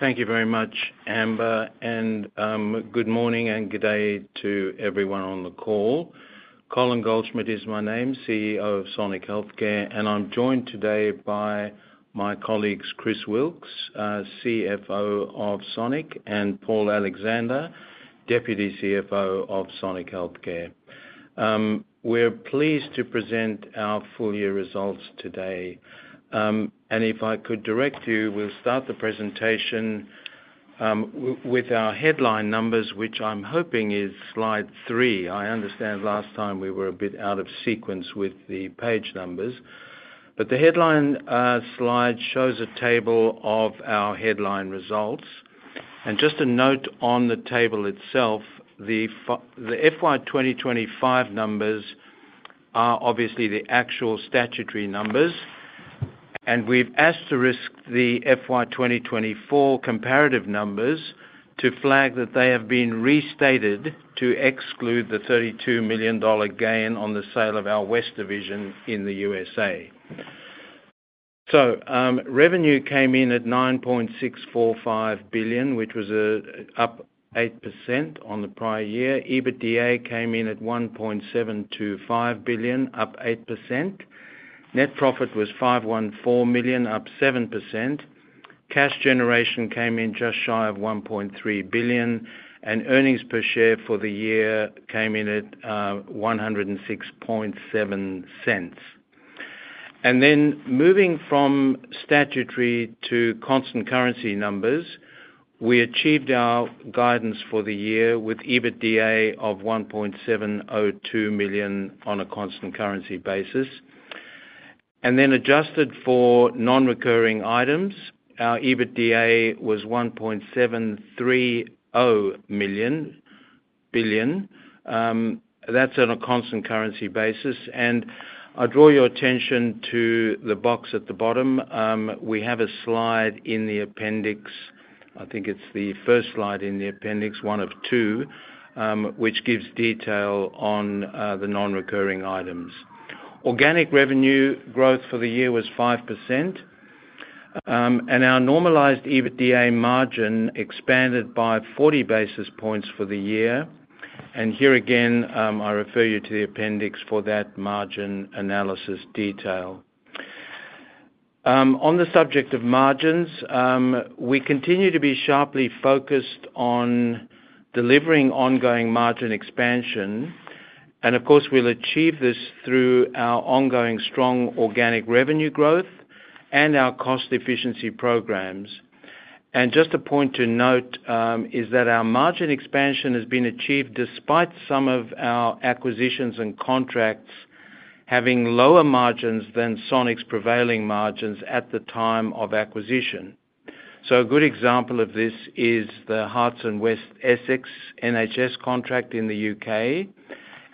Thank you very much, Amber, and good morning and g'day to everyone on the call. Colin Goldschmidt is my name, CEO of Sonic Healthcare, and I'm joined today by my colleagues Chris Wilks, CFO of Sonic, and Paul Alexander, Deputy CFO of Sonic Healthcare. We're pleased to present our full year results today. If I could direct you, we'll start the presentation with our headline numbers, which I'm hoping is slide three. I understand last time we were a bit out of sequence with the page numbers, but the headline slide shows a table of our headline results. Just a note on the table itself, the FY 2025 numbers are obviously the actual statutory numbers and we've asterisked the FY 2024 comparative numbers to flag that they have been restated to exclude the $32 million gain on the sale of our West division in the U.S.A. Revenue came in at $9.645 billion, which was up 8% on the prior year. EBITDA came in at 1.725 billion, up 8%. Net profit was 514 million, up 7%. Cash generation came in just shy of 1.3 billion and earnings per share for the year came in at 1.067. Moving from statutory to constant currency numbers, we achieved our guidance for the year with EBITDA of 1.702 million on a constant currency basis. Adjusted for non-recurring items, our EBITDA was 1.730 billion. That's on a constant currency basis. I draw your attention to the box at the bottom. We have a slide in the appendix, I think it's the first slide in the appendix, one of two which gives detail on the non-recurring items. Organic revenue growth for the year was 5% and our normalized EBITDA margin expanded by 40 basis points for the year. Here again I refer you to the appendix for that margin analysis detail. On the subject of margins, we continue to be sharply focused on delivering ongoing margin expansion and of course we'll achieve this through our ongoing strong organic revenue growth and our cost efficiency programs. Just a point to note is that our margin expansion has been achieved despite some of our acquisitions and contracts having lower margins than Sonic's prevailing margins at the time of acquisition. A good example of this is the Hertfordshire and West Essex NHS contract in the U.K.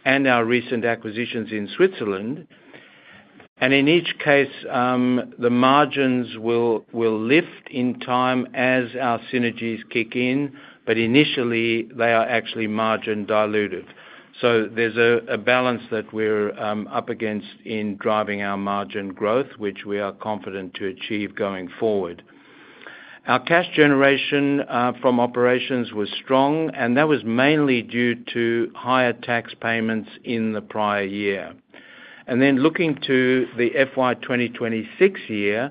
and our recent acquisitions in Switzerland. In each case the margins will lift in time as our synergies kick in, but initially they are actually margin diluted. There's a balance that we're up against in driving our margin growth, which we are confident to achieve going forward. Our cash generation from operations was strong and that was mainly due to higher tax payments in the prior year. Looking to the FY 2026 year,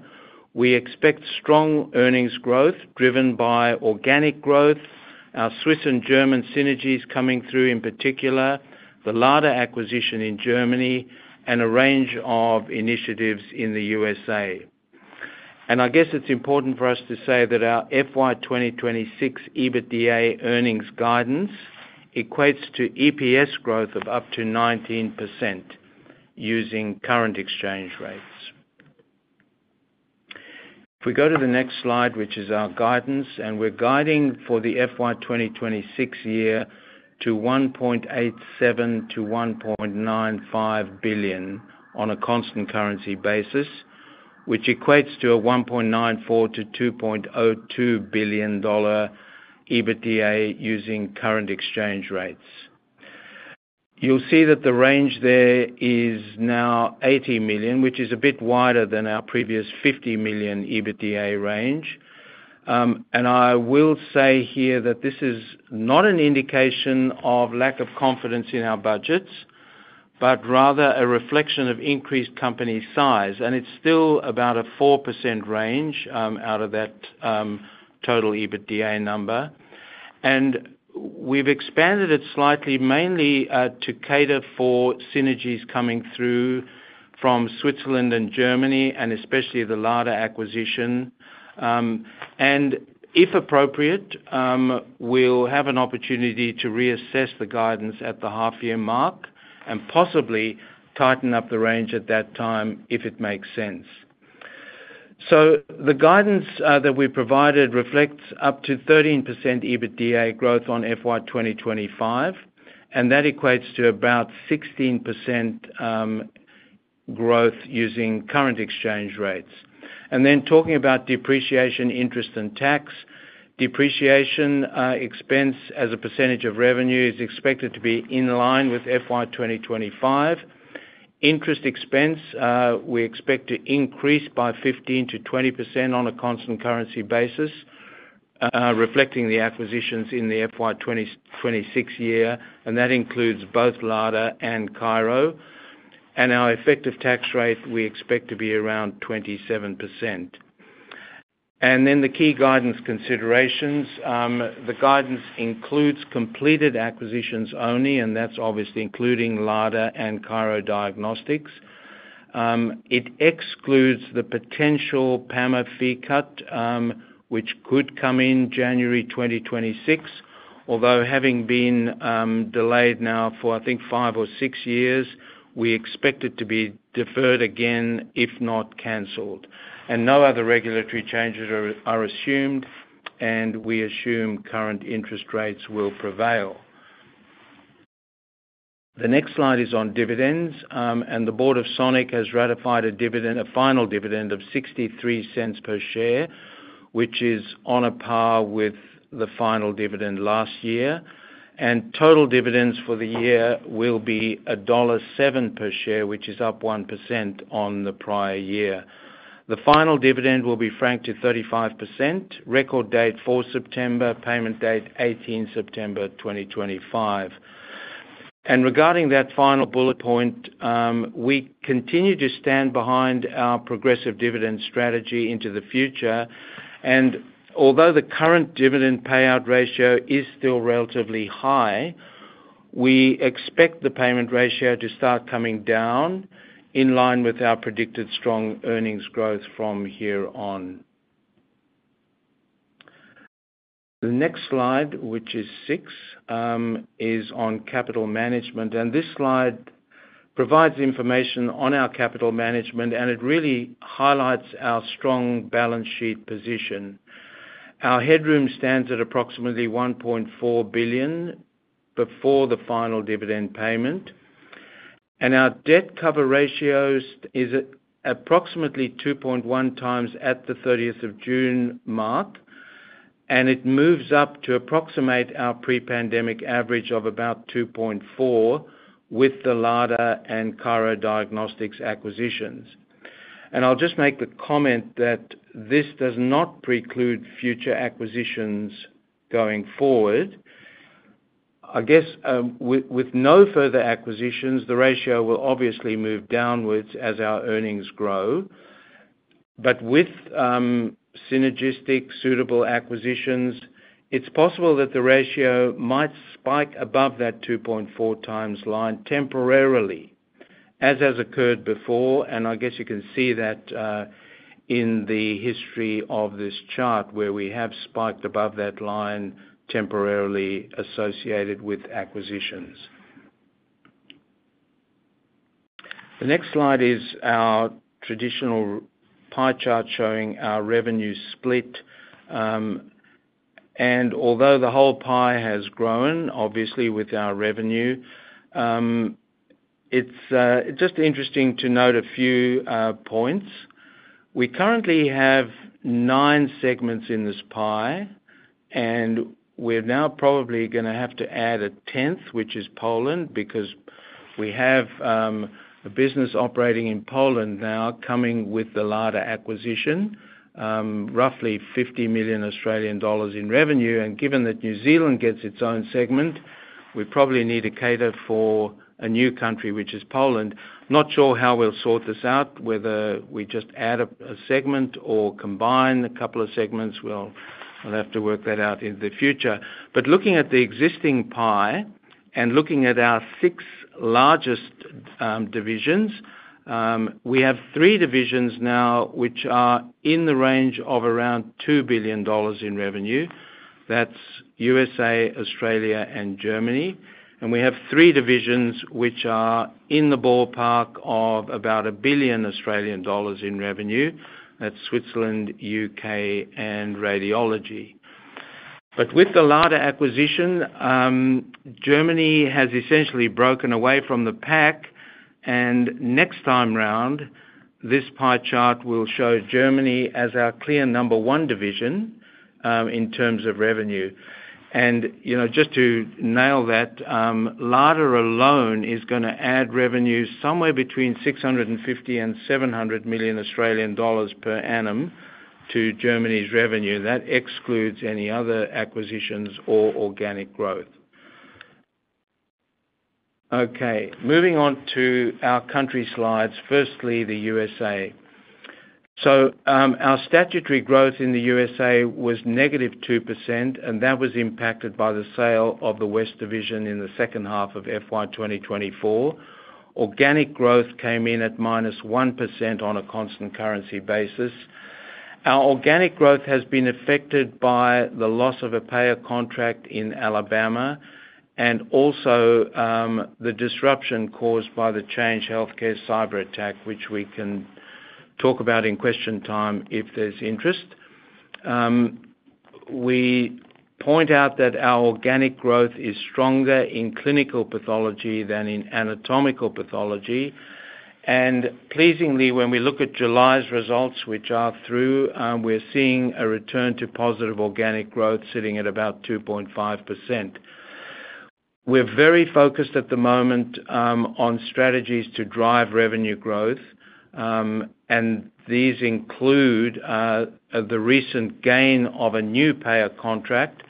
we expect strong earnings growth driven by organic growth, our Swiss and German synergies coming through, in particular the LADR acquisition in Germany and a range of initiatives in the U.S. It's important for us to say that our FY 2026 EBITDA earnings guidance equates to EPS growth of up to 19% using current exchange rates. If we go to the next slide, which is our guidance, we're guiding for the FY 2026 year to 1.87 billion-1.95 billion on a constant currency basis, which equates to a 1.94 billion-2.02 billion dollar EBITDA using current exchange rates. You'll see that the range there is now 80 million, which is a bit wider than our previous 50 million EBITDA range. I will say here that this is not an indication of lack of confidence in our budgets, but rather a reflection of increased company size. It's still about a 4% range out of that total EBITDA number. We've expanded it slightly mainly to cater for synergies coming through from Switzerland and Germany and especially the LADR acquisition. If appropriate, we'll have an opportunity to reassess the guidance at the half year mark and possibly tighten up the range at that time, if it makes sense. The guidance that we provided reflects up to 13% EBITDA growth on FY 2022 and that equates to about 16% growth using current exchange rates. Talking about depreciation, interest and tax, depreciation expense as a percentage of revenue is expected to be in line with FY 2025. Interest expense we expect to increase by 15%-20% on a constant currency basis, reflecting the acquisitions in the FY 2026 year. That includes both LADR and Cairo. Our effective tax rate we expect to be around 27%. The key guidance considerations: the guidance includes completed acquisitions only and that's obviously including LADR and Cairo Diagnostics. It excludes the potential PAMA fee cut which could come in January 2026, although having been delayed now for I think five or six years. We expect it to be deferred again if not cancelled and no other regulatory changes are assumed. We assume current interest rates will prevail. The next slide is on dividends and the board of Sonic has ratified a dividend, a final dividend of 0.63 per share, which is on a par with the final dividend last year. Total dividends for the year will be dollar 1.07 per share, which is up 1% on the prior year. The final dividend will be franked to 35%. Record date for September, payment date 18 September 2025. Regarding that final bullet point, we continue to stand behind our progressive dividend strategy into the future. Although the current dividend payout ratio is still relatively high, we expect the payment ratio to start coming down in line with our predicted strong earnings growth from here on. The next slide, which is six, is on capital management and this slide provides information on our capital management and it really highlights our strong balance sheet position. Our headroom stands at approximately 1.4 billion before the final dividend payment. Our debt cover ratio is approximately 2.1x at 30th June mark and it moves up to approximate our pre-pandemic average of about 2.4x with the LADR and Cairo Diagnostics acquisitions. I'll just make the comment that this does not preclude future acquisitions going forward. I guess with no further acquisitions the ratio will obviously move downwards as our earnings grow. With synergistic suitable acquisitions, it's possible that the ratio might spike above that 2.4x line temporarily as has occurred before. You can see that in the history of this chart where we have spiked above that line temporarily associated with acquisitions. The next slide is our traditional pie chart showing our revenue split. Although the whole pie has grown obviously with our revenue, it's just interesting to note a few points. We currently have nine segments in this pie and we're now probably going to have to add a tenth, which is Poland, because we have a business operating in Poland now coming with the LADR acquisition, roughly 50 million Australian dollars in revenue. Given that New Zealand gets its own segment, we probably need to cater for a new country, which is Poland. Not sure how we'll sort this out, whether we just add a segment or combine a couple of segments, we'll have to work that out in the future. Looking at the existing pie and looking at our six largest divisions, we have three divisions now which are in the range of around 2 billion dollars in revenue. That's US, Australia and Germany. We have three divisions which are in the ballpark of about 1 billion Australian dollars in revenue. That's Switzerland, U.K., and Radiology. With the LADR acquisition, Germany has essentially broken away from the pack. Next time round, this pie chart will show Germany as our clear number one division in terms of revenue. Just to nail that, LADR alone is going to add revenues somewhere between 650 million and 700 million Australian dollars per annum to Germany's revenue. That excludes any other acquisitions or organic growth. Moving on to our country slides. Firstly, the U.S.A. Our statutory growth in the U.S.A. was -2%, and that was impacted by the sale of the West division in the second half of FY 2024. Organic growth came in at -1% on a constant currency basis. Our organic growth has been affected by the loss of a payer contract in Alabama and also the disruption caused by the Change Healthcare cyberattack, which we can talk about in question time if there's interest. We point out that our organic growth is stronger in clinical pathology than in anatomical pathology. Pleasingly, when we look at July's results, which are through, we're seeing a return to positive organic growth sitting at about 2.5%. We're very focused at the moment on strategies to drive revenue growth, and these include the recent gain of a new payer contract.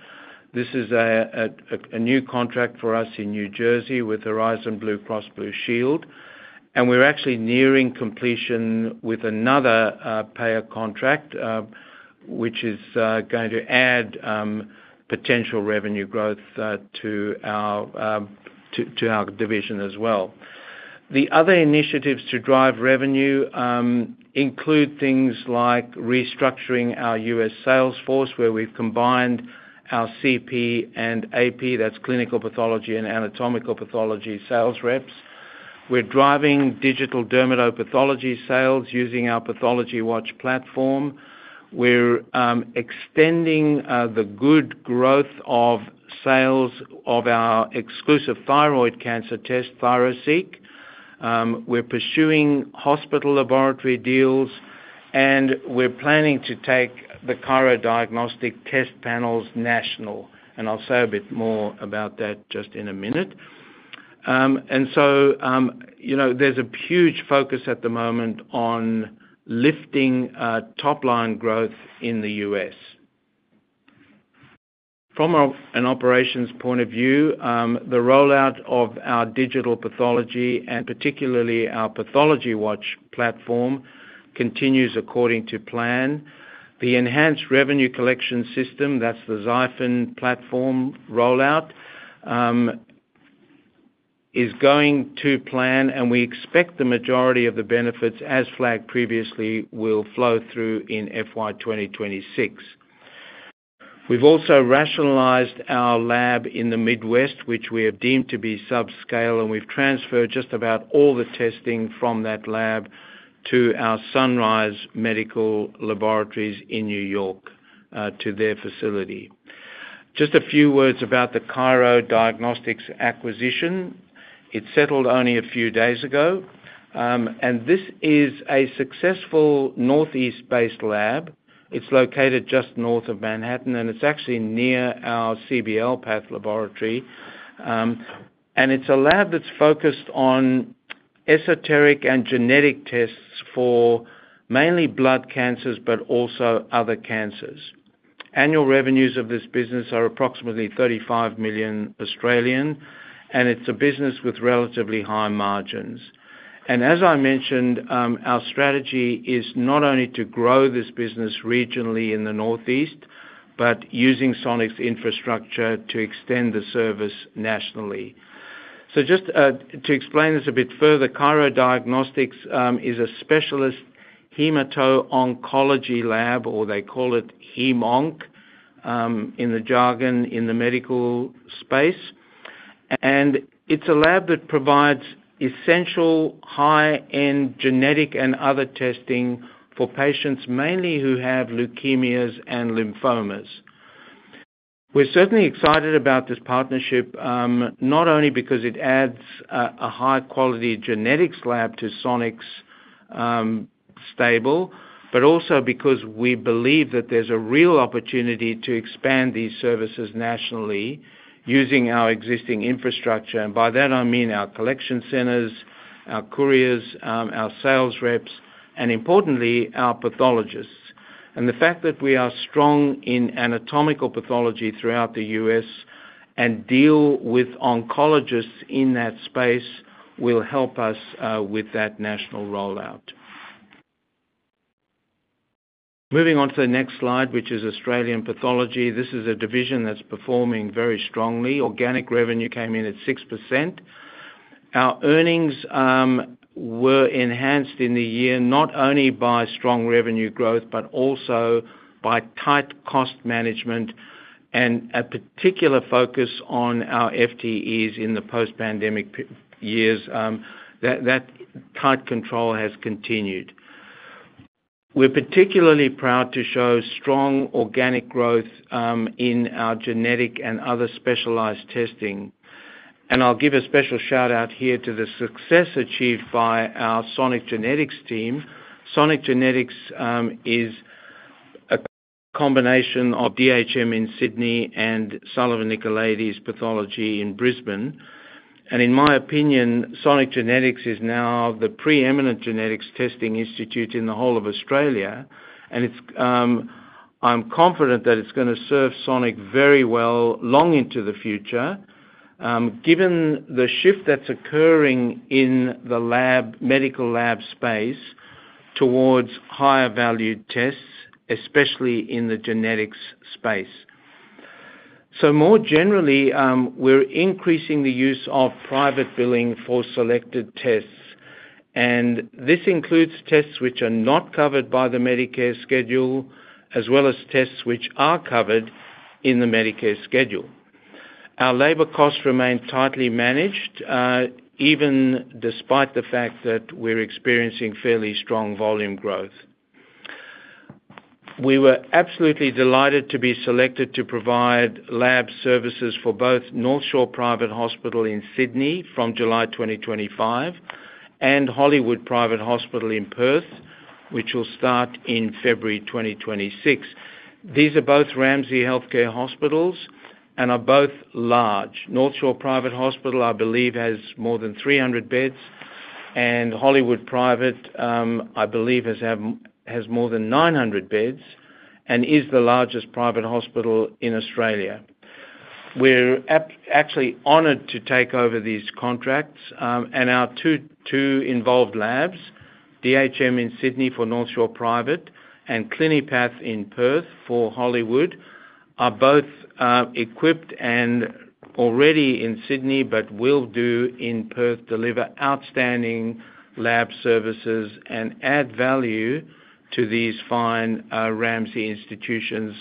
This is a new contract for us in New Jersey with Horizon Blue Cross Blue Shield, and we're actually nearing completion with another payer contract which is going to add potential revenue growth to our division as well. Other initiatives to drive revenue include things like restructuring our U.S. sales force, where we've combined our CP and AP, that's Clinical Pathology and Anatomical Pathology sales reps. We're driving digital dermatopathology sales using our Pathology Watch platform. We're extending the good growth of sales of our exclusive thyroid cancer test ThyroSeq. We're pursuing hospital laboratory deals, and we're planning to take the Cairo Diagnostics test panels national. I'll say a bit more about that just in a minute. There's a huge focus at the moment on lifting top line growth in the U.S. From an operations point of view, the rollout of our digital pathology, and particularly our Pathology Watch platform, continues according to plan. The enhanced revenue collection system, that's the XiFin platform rollout, is going to plan and we expect the majority of the benefits, as flagged previously, will flow through in FY 2026. We've also rationalized our lab in the Midwest, which we have deemed to be subscale, and we've transferred just about all the testing from that lab to our Sunrise Medical Laboratories in New York, to their facility. Just a few words about the Cairo Diagnostics acquisition. It settled only a few days ago. This is a successful Northeast-based lab. It's located just north of Manhattan and it's actually near our CBL Path laboratory. It's a lab that's focused on esoteric and genetic tests for mainly blood cancers, but also other cancers. Annual revenues of this business are approximately 35 million and it's a business with relatively high margins. As I mentioned, our strategy is not only to grow this business regionally in the Northeast, but using Sonic's infrastructure to extend the service nationally. To explain this a bit further, Cairo Diagnostics is a specialist hemato-oncology lab, or they call it hemonc in the jargon, in the medical space. It's a lab that provides essential high-end genetic and other testing for patients mainly who have leukemias and lymphomas. We're certainly excited about this partnership, not only because it adds a high-quality genetics lab to Sonic's stable, but also because we believe that there's a real opportunity to expand these services nationally using our existing infrastructure. By that I mean our collection centers, our couriers, our sales reps, and importantly our pathologists. The fact that we are strong in anatomical pathology throughout the U.S. and deal with oncologists in that space will help us with that national rollout. Moving on to the next slide, which is Australian Pathology. This is a division that's performing very strongly. Organic revenue came in at 6%. Our earnings were enhanced in the year not only by strong revenue growth, but also by tight cost management and a particular focus on our FTEs. In the post-pandemic years, that tight control has continued. We're particularly proud to show strong organic growth in our genetic and other specialized testing. I'll give a special shout out here to the success achieved by our Sonic Genetics team. Sonic Genetics is a combination of DHM in Sydney and Sullivan Nicolaides Pathology in Brisbane. In my opinion, Sonic Genetics is now the preeminent genetics testing institute in the whole of Australia. I'm confident that it's going to serve Sonic very well long into the future, given the shift that's occurring in the medical lab space towards higher valued tests, especially in the genetics space. More generally, we're increasing the use of private billing for selected tests. This includes tests which are not covered by the Medicare schedule, as well as tests which are covered in the Medicare schedule. Our labor costs remain tightly managed even despite the fact that we're experiencing fairly strong volume growth. We were absolutely delighted to be selected to provide lab services for both North Shore Private Hospital in Sydney from July 2025 and Hollywood Private Hospital in Perth, which will start in February 2026. These are both Ramsay Healthcare hospitals and are both large. North Shore Private Hospital, I believe, has more than 300 beds and Hollywood Private, I believe, has more than 900 beds and is the largest private hospital in Australia. We're actually honored to take over these contracts and our two involved labs, DHM in Sydney for North Shore Private and Clinipath in Perth for Hollywood, are both equipped and already in Sydney, but will do in Perth deliver outstanding lab services and add value to these fine Ramsay institutions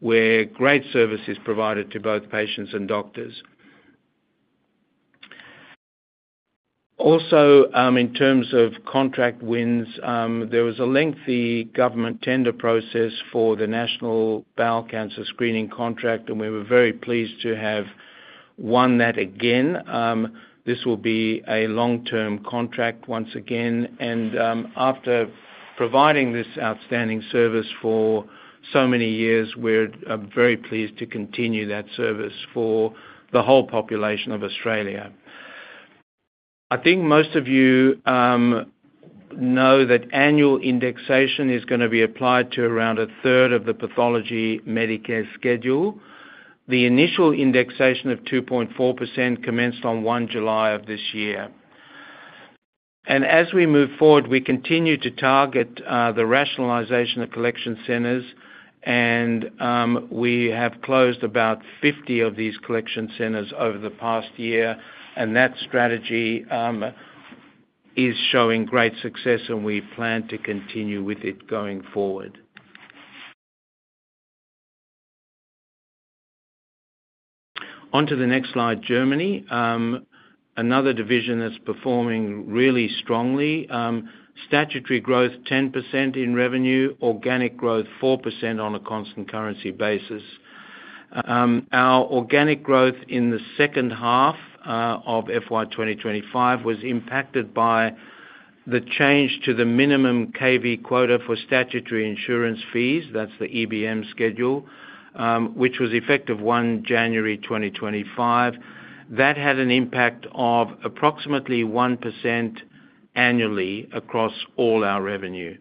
where great service is provided to both patients and doctors. Also, in terms of contract wins, there was a lengthy government tender process for the National Bowel Cancer Screening contract and we were very pleased to have won that again. This will be a long-term contract once again and after providing this outstanding service for so many years, we're very pleased to continue that service for the whole population of Australia. I think most of you know that annual indexation is going to be applied to around a third of the Pathology Medicare schedule. The initial indexation of 2.4% commenced on the 1 July of this year and as we move forward, we continue to target the rationalization of collection centers and we have closed about 50 of these collection centers over the past year. That strategy is showing great success and we plan to continue with it going forward onto the next slide. Germany, another division that's performing really strongly. Statutory growth 10% in revenue, organic growth 4% on a constant currency basis. Our organic growth in the second half of FY 2025 was impacted by the change to the minimum KV quota for statutory insurance fees. That's the EBM schedule which was effective 1 January 2025. That had an impact of approximately 1% annually across all our revenue.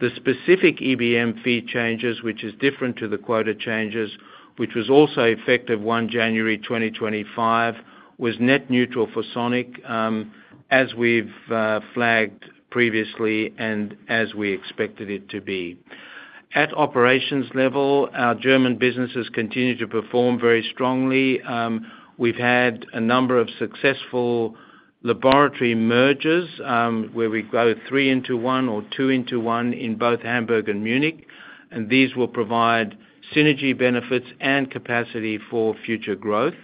The specific EBM fee changes, which is different to the quota changes which was also effective 1 January 2025, was net neutral for Sonic as we've flagged previously and as we expected it to be at operations level. Our German businesses continue to perform very strongly. We've had a number of successful laboratory mergers where we grow three into one or two into one in both Hamburg and Munich, and these will provide synergy, benefits, and capacity for future growth.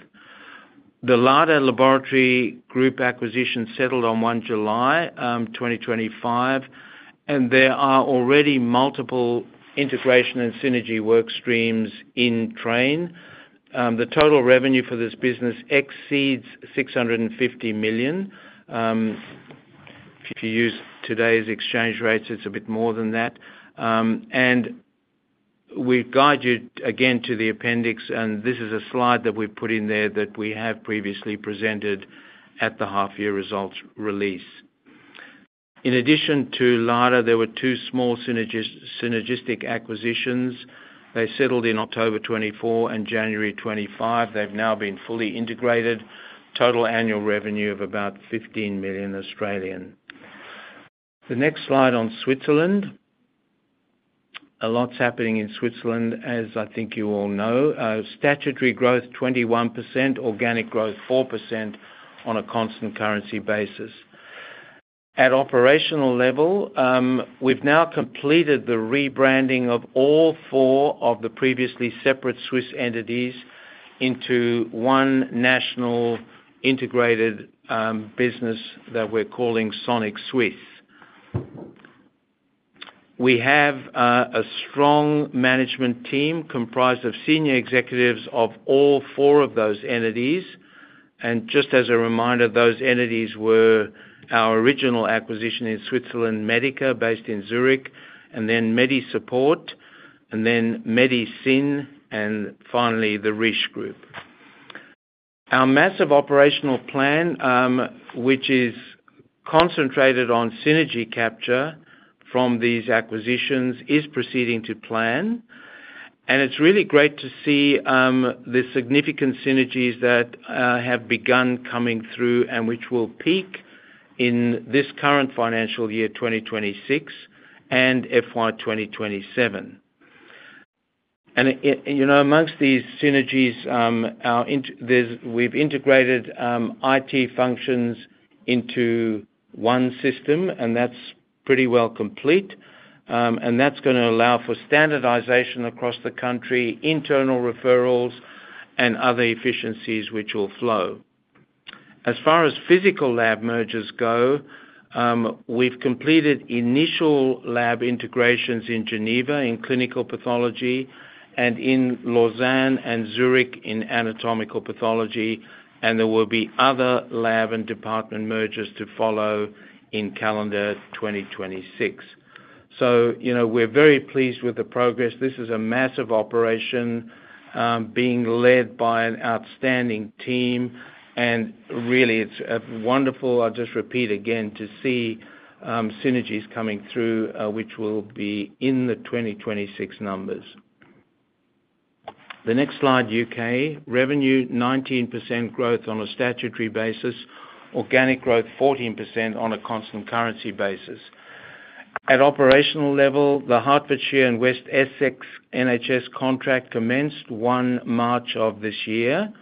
The LADR Laboratory Group acquisition settled on 1 July 2025, and there are already multiple integration and synergy work streams in train. The total revenue for this business exceeds 650 million. If you use today's exchange rates, it's a bit more than that. We guide you again to the appendix. This is a slide that we put in there that we have previously presented at the half year results release. In addition to LADR, there were two small synergistic acquisitions. They settled in October 2024 and January 2025. They've now been fully integrated. Total annual revenue of about 15 million. The next slide on Switzerland. A lot's happening in Switzerland, as I think you all know. Statutory growth, 21%, organic growth, 4% on a constant currency basis. At operational level, we've now completed the rebranding of all four of the previously separate Swiss entities into one national integrated business that we're calling Sonic Swiss. We have a strong management team comprised of senior executives of all four of those entities. Just as a reminder, those entities were our original acquisition in Switzerland, Medica, based in Zurich, then Medisupport, then MediSyn, and finally the Risch group. Our massive operational plan, which is concentrated on synergy capture from these acquisitions, is proceeding to plan. It's really great to see the significant synergies that have begun coming through and which will peak in this current financial year 2026 and FY 2027. Amongst these synergies, we've integrated IT functions into one system and that's pretty well complete. That's going to allow for standardization across the country, internal referrals, and other efficiencies which will flow. As far as physical lab mergers go, we've completed initial lab integrations in Geneva in clinical pathology and in (Lausanne) and (Zurich) in anatomical pathology. There will be other lab and department mergers to follow in calendar 2026. We're very pleased with the progress. This is a massive operation being led by an outstanding team and really, it's wonderful. I'll just repeat again to see synergies coming through, which will be in the 2026 numbers. The next slide, U.K. revenue, 19% growth on a statutory basis. Organic growth, 14% on a constant currency basis. At operational level, the Hertfordshire and West Essex NHS contract commenced the 1 of March of this year.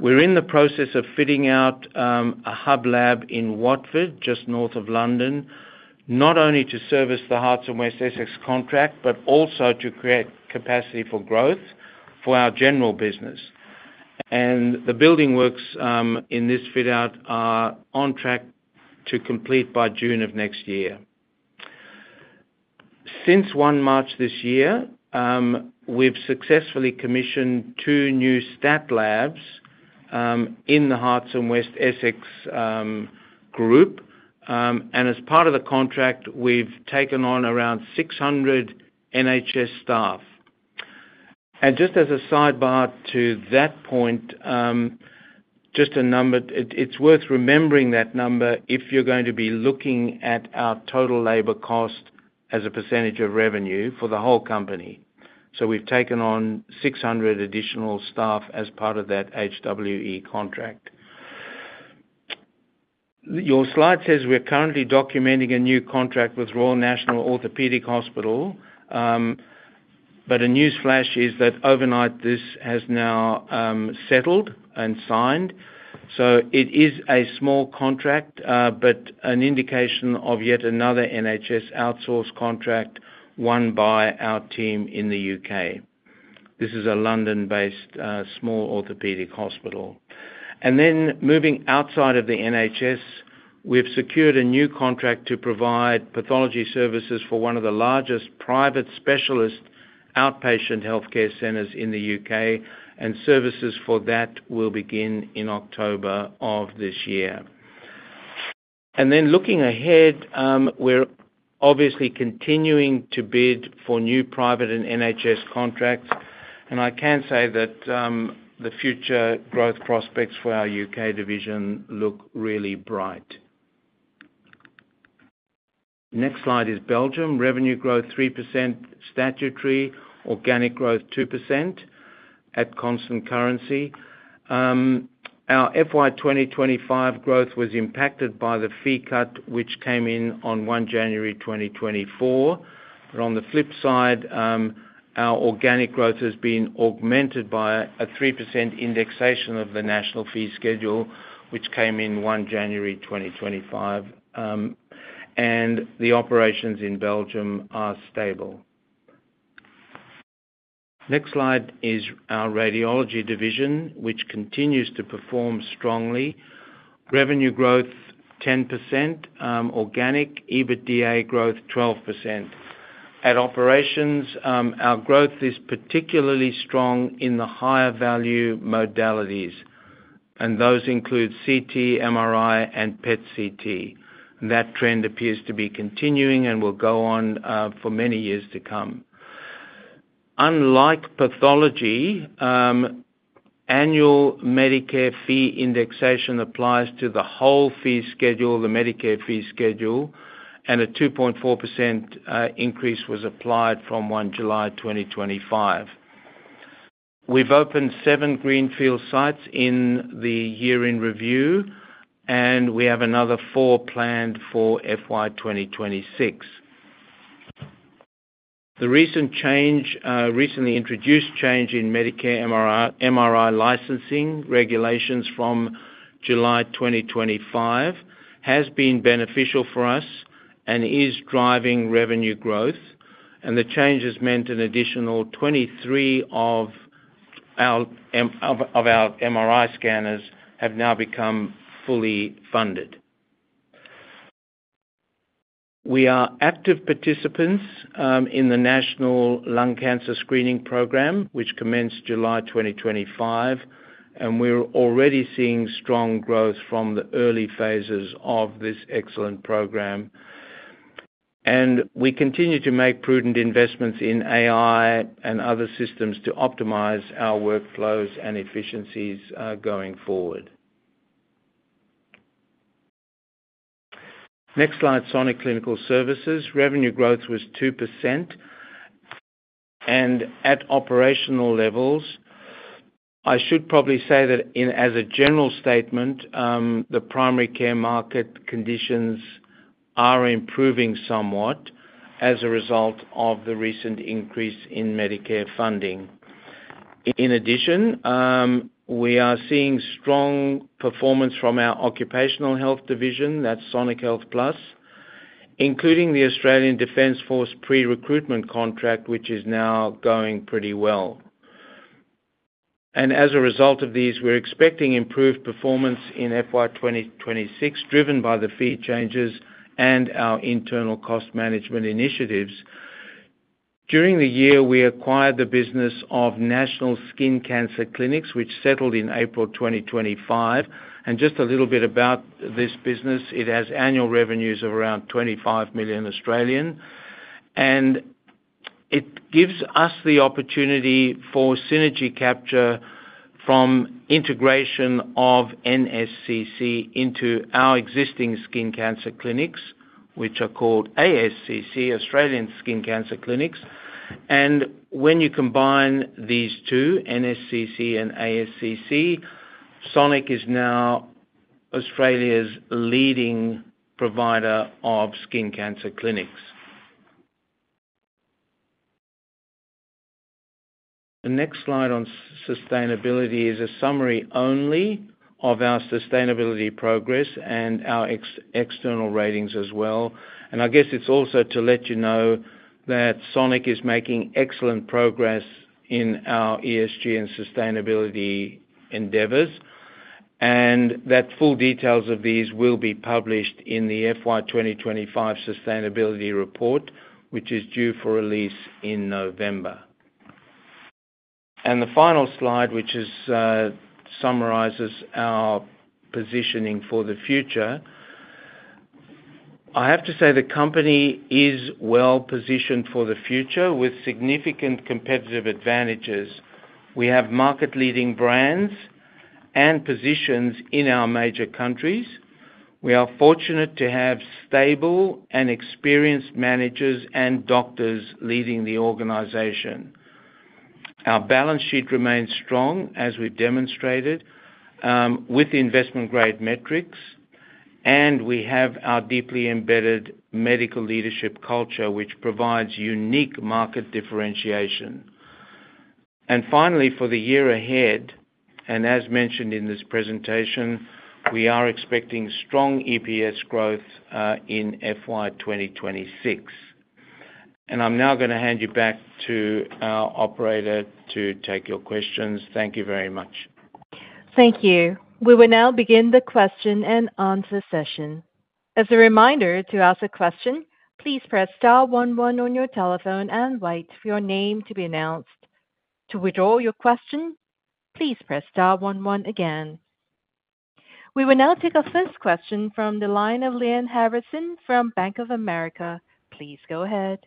We're in the process of fitting out a hub lab in Watford, just north of London, not only to service the Hertfordshire and West Essex NHS contract, but also to create capacity for growth for our general business. The building works in this fit out are on track to complete by June of next year. Since the 1 March this year, we've successfully commissioned two new stat labs in the Hertfordshire and West Essex NHS Group. As part of the contract we've taken on around 600 NHS staff. Just as a sidebar to that point, just a number. It's worth remembering that number if you're going to be looking at our total labor cost as a percentage of revenue for the whole company. We've taken on 600 additional staff as part of that HWE contract. Your slide says we're currently documenting a new contract with Royal National Orthopaedic Hospital, but a news flash is that overnight this has now settled and signed. It is a small contract, but an indication of yet another NHS outsourced contract won by our team in the U.K. This is a London-based small orthopaedic hospital. Moving outside of the NHS, we've secured a new contract to provide pathology services for one of the largest private specialist outpatient healthcare centers in the U.K. Services for that will begin in October of this year. Looking ahead, we're obviously continuing to bid for new private and NHS contracts and I can say that the future growth prospects for our U.K. division look really bright. Next slide is Belgium revenue growth 3% statutory, organic growth 2% at constant currency. Our FY 2025 growth was impacted by the fee cut which came in on 1 January 2024. On the flip side, our organic growth has been augmented by a 3% indexation of the National Fee Schedule, which came in 1 January 2025. The operations in Belgium are stable. Next slide is our Radiology division, which continues to perform strongly. Revenue growth 10% organic, EBITDA growth 12% at operations. Our growth is particularly strong in the higher value modalities and those include CT, MRI, and PET CT. That trend appears to be continuing and will go on for many years to come. Unlike pathology, annual Medicare fee indexation applies to the whole fee schedule. The Medicare fee schedule and a 2.4% increase was applied from 1 July 2025. We've opened seven greenfield sites in the year in review and we have another four planned for FY 2026. The recently introduced change in Medicare MRI licensing regulations from July 2025 has been beneficial for us and is driving revenue growth. The change has meant an additional 23 of our MRI scanners have now become fully funded. We are active participants in the National Lung Cancer Screening program, which commenced July 2025, and we're already seeing strong growth from the early phases of this excellent program. We continue to make prudent investments in AI and other systems to optimize our workflows and efficiencies going forward. Next slide. Sonic Clinical Services revenue growth was 2% and at operational levels I should probably say that as a general statement the primary care market conditions are improving somewhat as a result of the recent increase in Medicare funding. In addition, we are seeing strong performance from our Occupational Health division, that's Sonic HealthPlus, including the Australian Defence Force pre-recruitment contract which is now going pretty well. As a result of these, we're expecting improved performance in FY 2026 driven by the fee changes and our internal cost management initiatives during the year. We acquired the business of National Skin Cancer Clinics, which settled in April 2025. Just a little bit about this business, it has annual revenues of around 25 million and it gives us the opportunity for synergy capture from integration of NSCC into our existing skin cancer clinics, which are called ASCC, Australian Skin Cancer Clinics. When you combine these two, NSCC and ASCC, Sonic is now Australia's leading provider of skin cancer clinics. The next slide on sustainability is a summary only of our sustainability progress and our external ratings as well. I guess it's also to let you know that Sonic is making excellent progress in our ESG and sustainability endeavors, and that full details of these will be published in the FY 2025 Sustainability Report, which is due for release in November. The final slide summarizes our positioning for the future. I have to say the company is well positioned for the future with significant competitive advantages. We have market leading brands and positions in our major countries. We are fortunate to have stable and experienced managers and doctors leading the organization. Our balance sheet remains strong, as we've demonstrated with investment grade metrics, and we have our deeply embedded medical leadership culture, which provides unique market differentiation. Finally, for the year ahead and as mentioned in this presentation, we are expecting strong EPS growth in FY 2026, and I'm now going to hand you back to our operator to take your questions. Thank you very much. Thank you. We will now begin the question and answer session. As a reminder, to ask a question, please press star one one on your telephone and wait for your name to be announced. To withdraw your question, please press star one one again. We will now take our first question from the line of Lyanne Harrison from Bank of America. Please go ahead.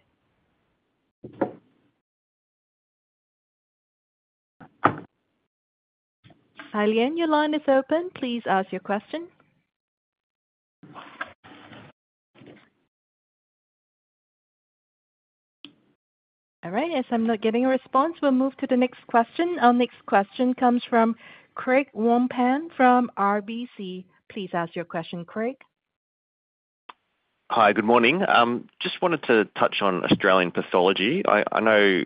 Your line is open. Please ask your question. As I'm not getting a response, we'll move to the next question. Our next question comes from Craig Wong-Pan from RBC. Please ask your question, Craig. Hi, good morning. Just wanted to touch on Australian pathology. I know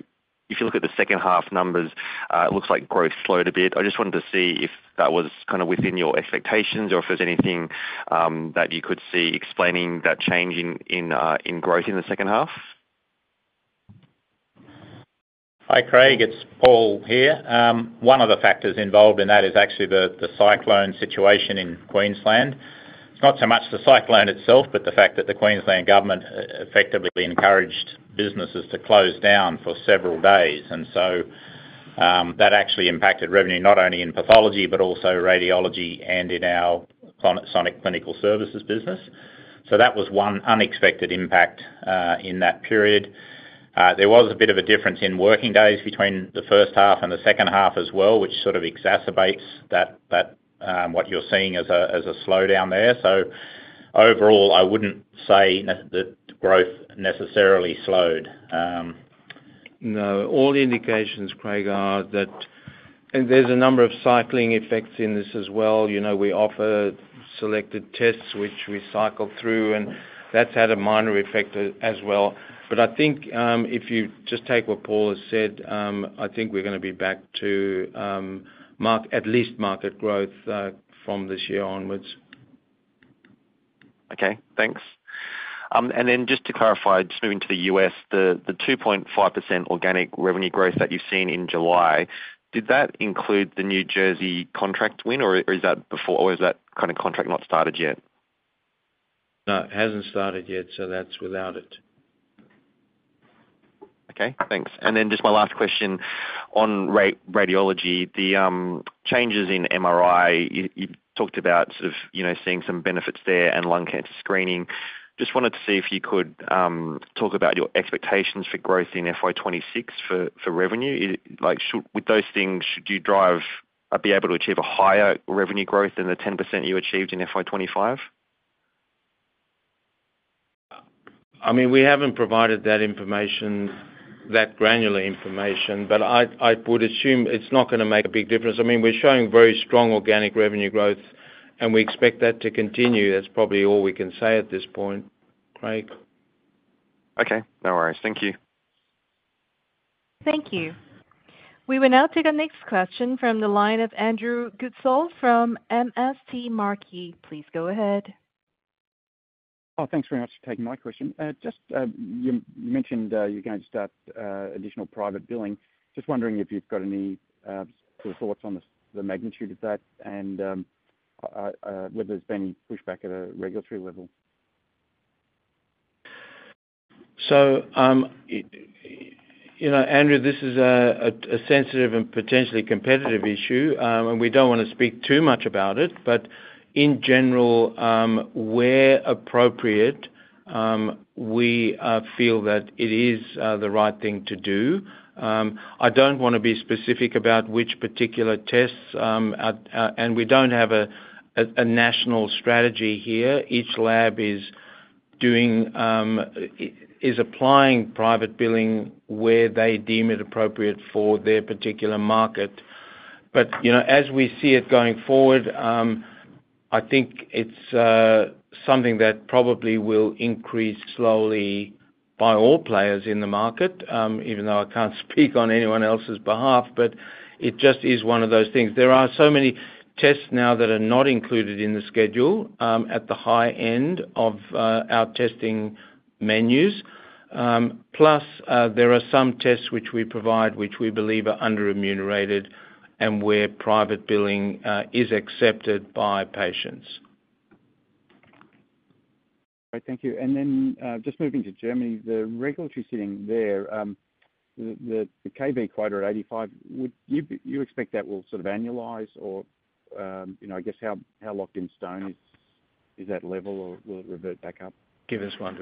if you look at the second half numbers, it looks like growth slowed a bit. I just wanted to see if that was kind of within your expectations or if there's anything that you could see explaining that change in growth in the second half. Hi, Craig, it's Paul here. One of the factors involved in that is actually the cyclone situation in Queensland. It's not so much the cyclone itself, but the fact that the Queensland government effectively encouraged businesses to close down for several days. That actually impacted revenue not only in pathology, but also radiology and in our Sonic Clinical Services business. That was one unexpected impact in that period. There was a bit of a difference in working days between the first half and the second half as well, which sort of exacerbates that, what you're seeing as a slowdown there. Overall, I wouldn't say that growth necessarily slowed. No. All indications, Craig, are that there are a number of cycling effects in this as well. We offer selected tests which we cycle through, and that's had a minor effect as well. I think if you just take what Paul has said, I think we're going to be back to at least market growth from this year onwards. Okay, thanks. Just to clarify, moving to the U.S., the 2.5% organic revenue growth that you've seen in July, did that include the New Jersey contract win? Is that before or is that, kind of contract not started yet? No, it hasn't started yet. That's without it. Okay, thanks. My last question on Radiology, the changes in MRI, you talked about seeing some benefits there and lung cancer screening. Just wanted to see if you could, talk about your expectations for growth in FY 2026 for revenue with those things. Should you be able to achieve a higher, revenue growth than the 10% you achieved in FY 2025? We haven't provided that information, that granular information, but I would assume it's not going to make a big difference. We're showing very strong organic revenue growth and we expect that to continue. That's probably all we can say at this point, Craig. Okay, no worries. Thank you. Thank you. We will now take our next question from the line of Andrew Goodsall from MST Marquee, please go ahead. Thanks very much for taking my question. You mentioned you're going to start additional private billing. Just wondering if you've got any thoughts on the magnitude of that and whether there's been any pushback at a regulatory level. You know, Andrew, this is a sensitive and potentially competitive issue, and we don't want to speak too much about it. In general, where appropriate, we feel that it is the right thing to do. I don't want to be specific about which particular tests, and we don't have a national strategy here. Each lab is applying private billing where they deem it appropriate for their particular market. As we see it going forward, I think it's something that probably will increase slowly by all players in the market, even though I can't speak on anyone else's behalf. It just is one of those things. There are so many tests now that are not included in the schedule at the high end of our testing menus. Plus, there are some tests which we provide, which we believe are under-remunerated and where private billing is accepted by patients. Thank you. Just moving to Germany, the regulatory setting there, theKV quota at 85%, would you expect that will sort of annualize or, you know, I guess how locked in stone is that level or will it revert back up? Give us one.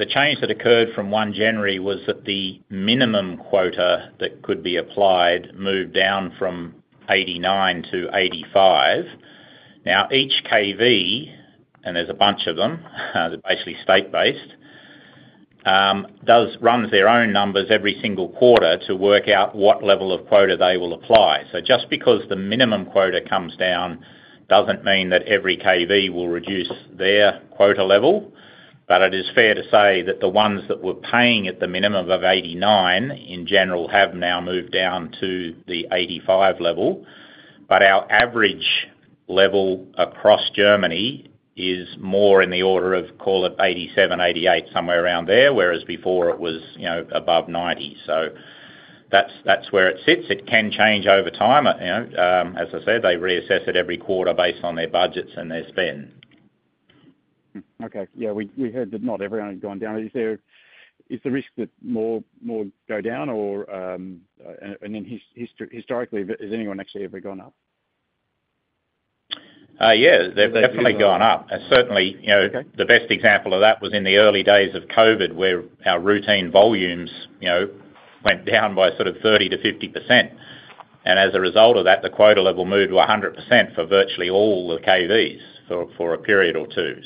The change that occurred from January was that the minimum quota that could be applied moved down from 89% to 85%. Now each KV, and there's a bunch of them, they're basically state-based, runs their own numbers every single quarter to work out what level of quota they will apply. Just because the minimum quota comes down doesn't mean that every KV will reduce their quota level. It is fair to say that the ones that were paying at the minimum of 89% in general have now moved down to the 85% level. Our average level across Germany is more in the order of, call it, 87%, 88%, somewhere around there, whereas before it was above 90%. That's where it sits. It can change over time. As I said, they reassess it every quarter based on their budgets and their spend. Okay, yeah, we heard that not everyone had gone down. Is the risk that more go down? Historically, has anyone actually ever gone up? Yeah, they've definitely gone up. Certainly the best example of that was in the early days of COVID where our routine volumes went down by sort of 30%-50%, and as a result of that the quota level moved to 100% for virtually all the KVs for a period or two.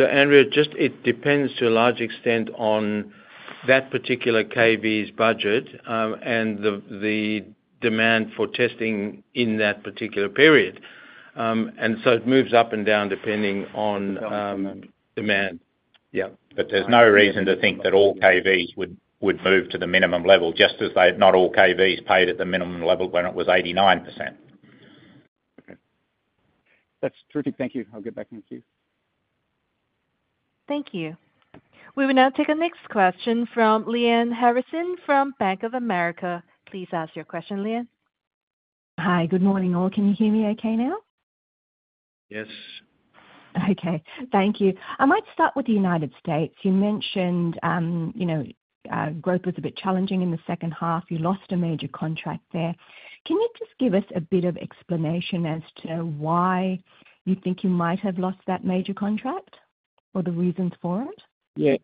It depends to a large extent on that particular KV's budget and the demand for testing in that particular period, and it moves up and down depending on demand. Yeah, there is no reason to think that all KVs would move to the minimum level just as not all KVs paid at the minimum level when it was 89%. Okay, that's terrific. Thank you. I'll get back in queue. Thank you. We will now take our next question from Lyanne Harrison from Bank of America. Please ask your question. Lyanne. Hi, good morning all. Can you hear me okay now? Yes. Okay, thank you. I might start with the United States. You mentioned growth was a bit challenging in the second half. You lost a major contract there. Can you just give us a bit of explanation as to why you think you might have lost that major contract or the reasons for it? Yeah.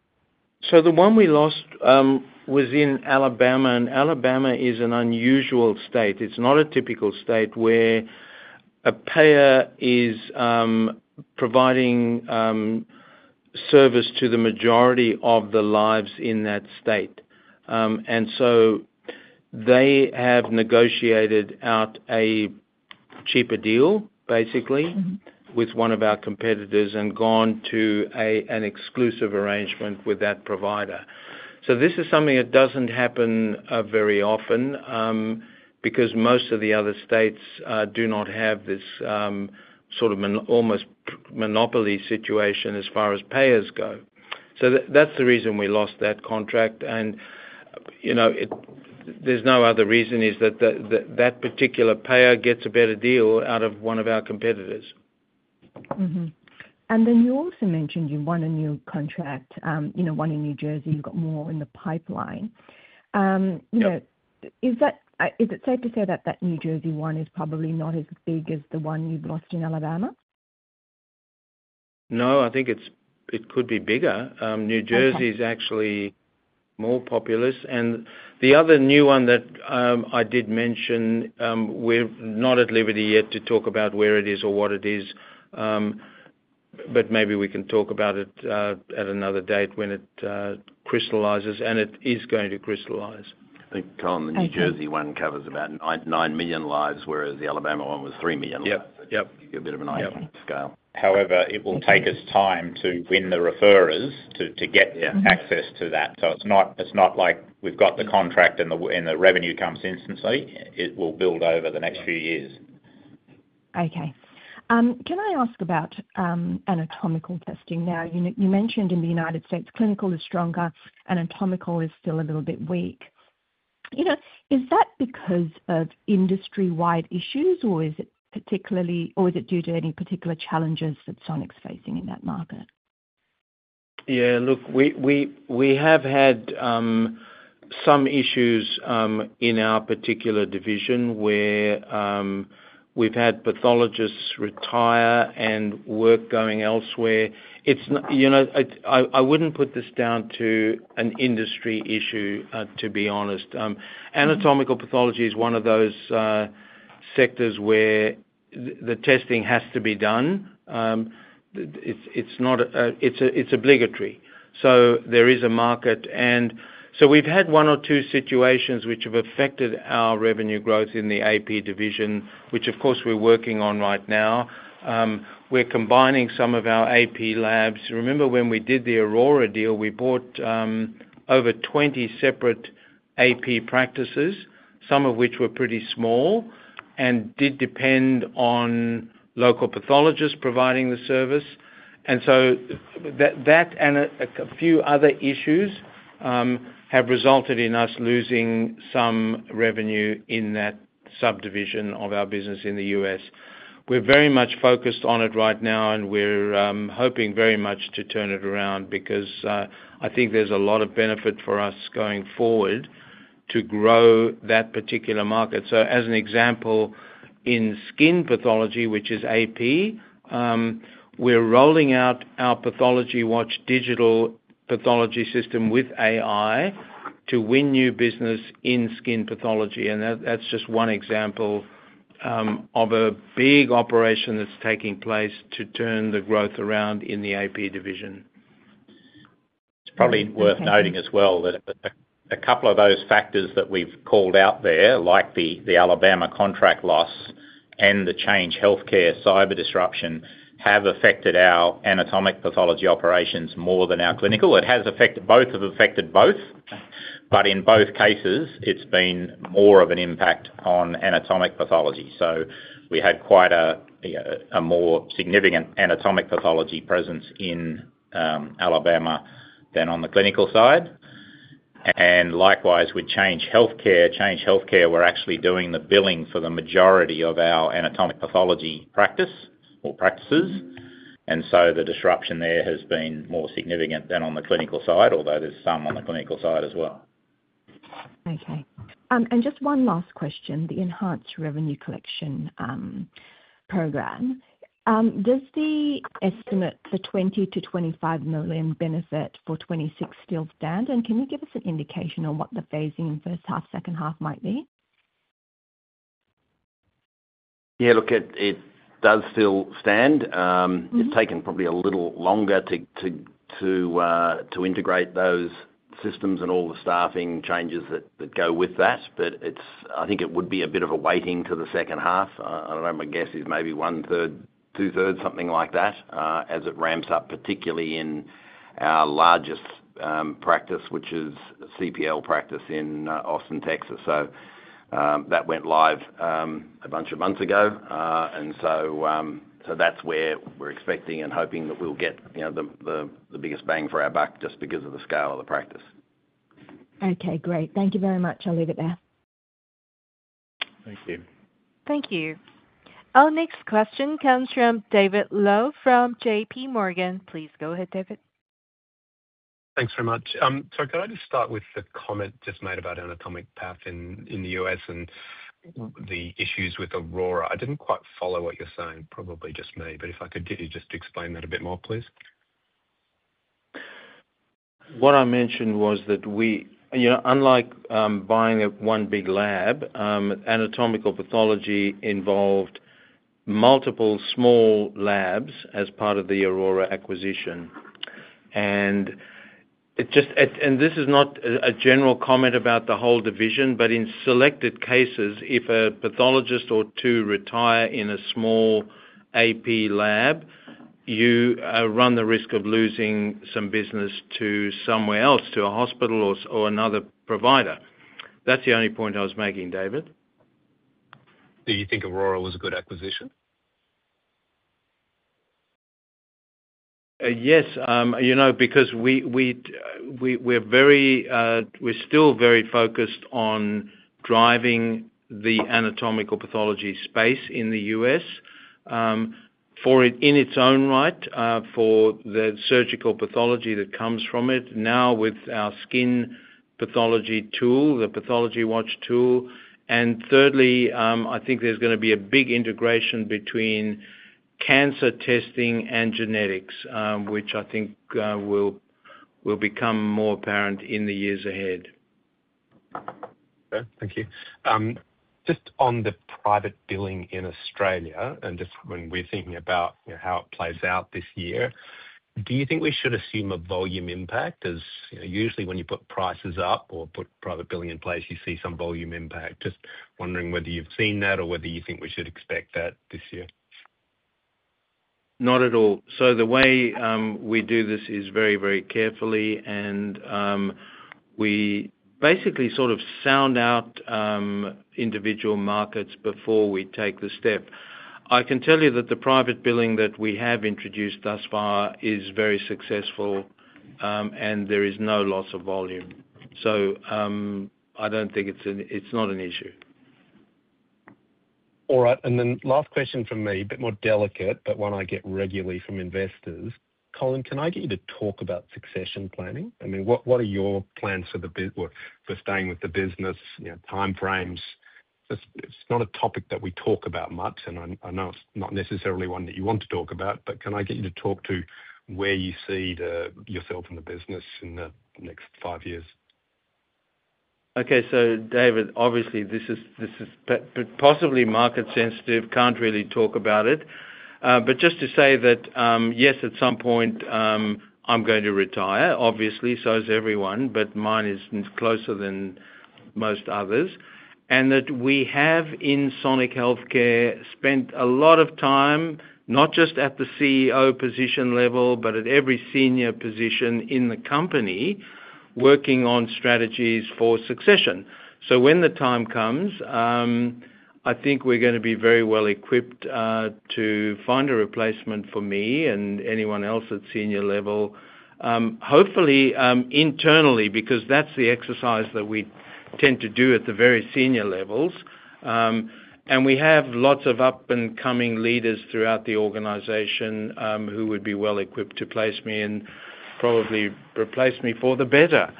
The one we lost was in Alabama. Alabama is an unusual state. It's not a typical state where a payer is providing service to the majority of the lives in that state, and they have negotiated out a cheaper deal basically with one of our competitors and gone to an exclusive arrangement with that provider. This is something that doesn't happen very often because most of the other states do not have this sort of almost monopoly situation as far as payers go. That's the reason we lost that contract. There's no other reason; it's that particular payer gets a better deal out of one of our competitors. You also mentioned you won a new contract, you know, one in New Jersey. You've got more in the pipeline. Is it safe to say that that New Jersey one is probably not as big as the one you've lost in Alabama? No, I think it could be bigger. New Jersey's actually more populous. The other new one that I did mention, we're not at liberty yet to talk about where it is or what it is, but maybe we can talk about it at another date when it crystallizes. It is going to crystallize. I think, Colin, the New Jersey one covers about 9 million lives, whereas the Alabama one was 3 million. A bit of a scale. However, it will take us time to win the referrers to get access to that. It's not like we've got the contract and the revenue comes instantly. It will build over the next few years. Okay. Can I ask about anatomical testing? You mentioned in the United States clinical is stronger, anatomical is still a little bit weak. Is that because of industry-wide issues, or is it due to any particular challenges that Sonic is facing in that market? Yeah, look, we have had some issues in our particular division where we've had pathologists retire and work going elsewhere. I wouldn't put this down to an industry issue, to be honest. Anatomical pathology is one of those sectors where the testing has to be done. It's obligatory. There is a market. We've had one or two situations which have affected our revenue growth in the AP division, which of course we're working on right now. We're combining some of our AP labs. Remember when we did the Aurora deal, we bought over 20 separate AP practices, some of which were pretty small and did depend on local pathologists providing the service. That and a few other issues have resulted in us losing some revenue in that subdivision of our business in the U.S. We're very much focused on it right now and we're hoping very much to turn it around because I think there's a lot of benefit for us going forward to grow that particular market. As an example, in skin pathology, which is AP, we're rolling out our Pathology Watch digital pathology system with AI to win new business in skin pathology. That's just one example of a big operation that's taking place to turn the growth around in the AP division. Probably worth noting as well that a couple of those factors that we've called out there, like the Alabama contract loss and the Change Healthcare cyber disruption, have affected our anatomic pathology operations more than our clinical. It has affected both, but in both cases it's been more of an impact on anatomic pathology. We had quite a more significant anatomic pathology presence in Alabama than on the clinical side. Likewise with Change Healthcare, we're actually doing the billing for the majority of our anatomic pathology practice or practices, and the disruption there has been more significant than on the clinical side, although there's some on the clinical side as well. Okay, just one last question. The Enhanced Revenue Collection Program, does the estimate of the 20 million-25 million benefit for 2026 still stand? Can you give us an indication on what the phasing in first half, second half might be? Yeah, look, it does still stand. It's taken probably a little longer to integrate those systems and all the staffing changes that go with that. I think it would be a bit of a waiting to the second half. I don't know. My guess is maybe 1/3 2/3, something like that, as it ramps up, particularly in our largest practice, which is CPL practice in Austin, Texas. That went live a bunch of months ago, and that's where we're expecting and hoping that we'll get the biggest bang for our buck just because of the scale of the practice. Okay, great. Thank you very much. I'll leave it there. Thank you. Thank you. Our next question comes from David Low from JPMorgan. Please go ahead, David. Thanks very much. Can I just start with the comment just made about anatomical pathology in the U.S. and the issues with Aurora? I didn't quite follow what you're saying. Probably just me, but if I could, give you just explain that a bit more, please. What I mentioned was that, unlike buying one big lab, anatomical pathology involved multiple small labs as part of the Aurora acquisition. It just, and this is not a general comment about the whole division, but in selected cases, if a pathologist or two retire in a small AP lab, you run the risk of losing some business to somewhere else, to a hospital or another provider. That's the only point I was making, David. Do you think Aurora was a good acquisition? Yes, because we're still very focused on driving the anatomical pathology space in the US for it in its own right, for the surgical pathology that comes from it. Now with our skin pathology tool, the Pathology Watch tool, I think there's going to be a big integration between cancer testing and genetics, which I think will become more apparent in the years ahead. Thank you. Just on the private billing in Australia, and just when we're thinking about how it plays out this year, do you think we should assume a volume impact? As usually when you put prices up or put private billing in place, you. See some volume impact. Just wondering whether you've seen that. Whether you think we should expect that this year. Not at all. The way we do this is very, very carefully, and we basically sort of sound out individual markets before we take the step. I can tell you that the private billing that we have introduced thus far is very successful, and there is no loss of volume. I don't think it's an issue. All right, and then last question from. Me, a bit more delicate but one. I get regularly from investors. Colin, can I get you to talk about succession planning? I mean, what are your plans for staying with the business time frames? It's not a topic that we talk about much, and I know it's not necessarily one that you want to talk about, but can I get you to talk to where you see yourself in the business in the next five years? Okay. David, obviously this is possibly market sensitive. Can't really talk about it. Just to say that, yes, at some point I'm going to retire, obviously, so is everyone. Mine is closer than most others and that we have in Sonic Healthcare spent a lot of time not just at the CEO position level, but at every senior position in the company working on strategies for succession. When the time comes, I think we're going to be very well equipped to find a replacement for me and anyone else at senior level, hopefully internally, because that's the exercise that we tend to do at the very senior levels and we have lots of up and coming leaders throughout the organization who would be well equipped to place me and probably replace me for the better.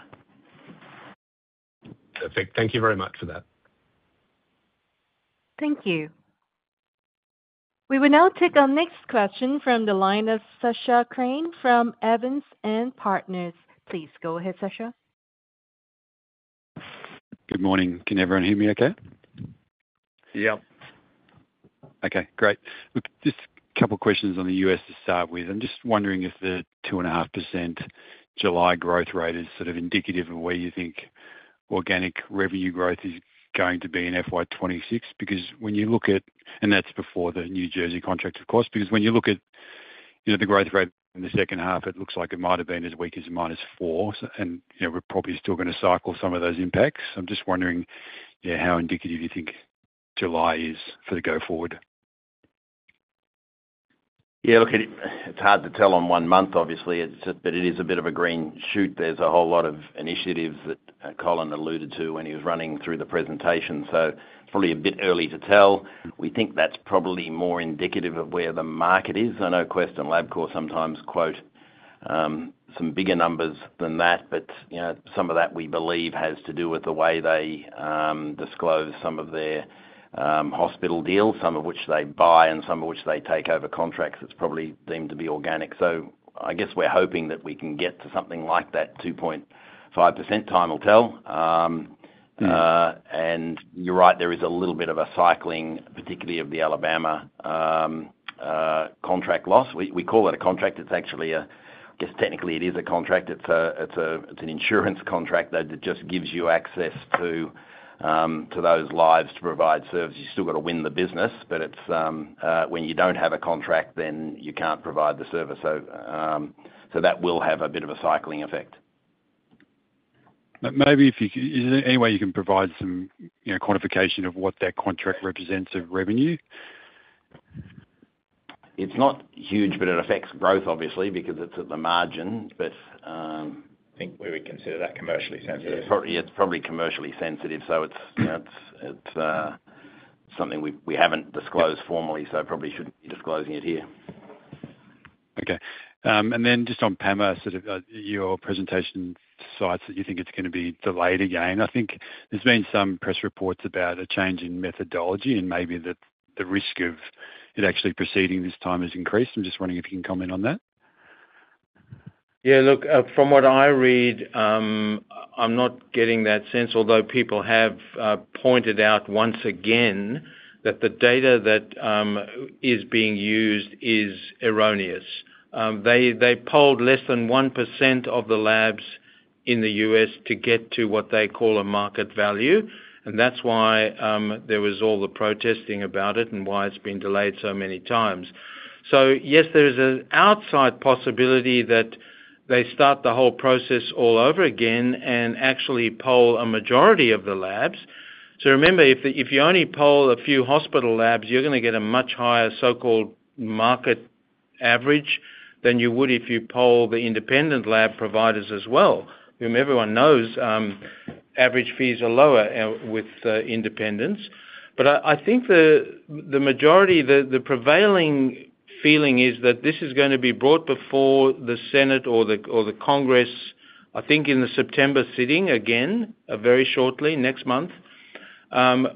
Perfect. Thank you very much for that. Thank you. We will now take our next question from the line of Sacha Krien from Evans & Partners. Please go ahead, Sacha. Good morning. Can everyone hear me okay? Yeah. Okay, great. Just a couple questions on the U.S. to start with. I'm just wondering if the 2.5% July growth rate is sort of indicative of where you think organic revenue growth is going to be in FY 2026. That's before the New Jersey contract, of course. When you look at the growth rate in the second half, it looks like it might have been as weak as -4%. We're probably still going to cycle some of those impacts. I'm just wondering how indicative you think July is for the go forward. Yeah, look, it's hard to tell on one month, obviously, but it is a bit of a green shoot. There's a whole lot of initiatives that Colin alluded to when he was running through the presentation. Probably a bit early to tell. We think that's probably more indicative of where the market is. I know Quest and Labcorp sometimes quote some bigger numbers than that, but some of that we believe has to do with the way they disclose some of their hospital deals, some of which they buy and some of which they take over contracts. It's probably deemed to be organic. I guess we're hoping that we can get to something like that. 2.5%. Time will tell. You're right, there is a little bit of a cycling, particularly of the Alabama contract loss. We call it a contract. It's actually a, yes, technically it is a contract. It's an insurance contract that just gives you access to those lives to provide services. You still got to win the business, but when you don't have a contract then you can't provide the service. That will have a bit of a cycling effect. Maybe you can provide some quantification of what that contract represents of revenue. It's not huge, but it affects growth. Obviously because it's at the margin. I think we would consider that commercially sensitive. It's probably commercially sensitive. It's something we haven't disclosed formally, so probably shouldn't be disclosing it here. Okay. On PAMA, your presentation cites that you think it's going to be delayed again. I think there's been some press reports about a change in methodology and maybe the risk of it actually proceeding this time has increased. I'm just wondering if you can comment on that. Yeah, look, from what I read, I'm not getting that sense. Although people have pointed out once again that the data that is being used is erroneous. They polled less than 1% of the labs in the U.S. to get to what they call a market value, and that's why there was all the protesting about it and why it's been delayed so many times. Yes, there is an outside possibility that they start the whole process all over again and actually poll a majority of the labs. Remember, if you only poll a few hospital labs, you're going to get a much higher so-called market average than you would if you poll the independent lab providers as well, whom everyone knows average fees are lower with independents. I think the majority, the prevailing feeling, is that this is going to be brought before the Senate or the Congress, I think in the September sitting again very shortly next month,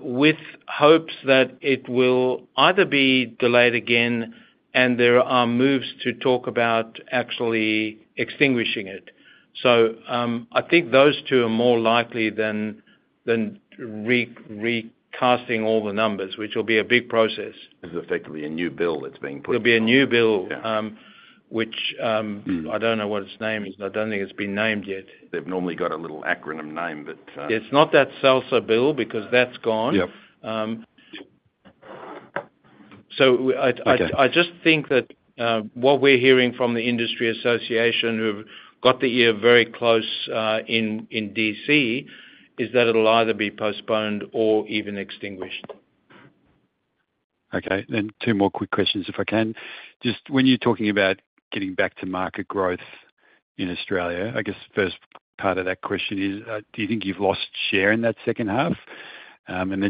with hopes that it will either be delayed again, and there are moves to talk about actually extinguishing it. I think those two are more likely than recasting all the numbers, which will be a big process. This is effectively a new bill that's being put. It'll be a new bill, which I don't know what its name is. I don't think it's been named yet. They've normally got a little acronym name. It is not that SALSA Bill because that's gone. I just think that what we're hearing from the industry association who got the ear very close in D.C. is that it'll either be postponed or even extinguished. Okay then, two more quick questions if I can. When you're talking about getting back to market growth in Australia, first part of that question is do you think you've lost share in that second half?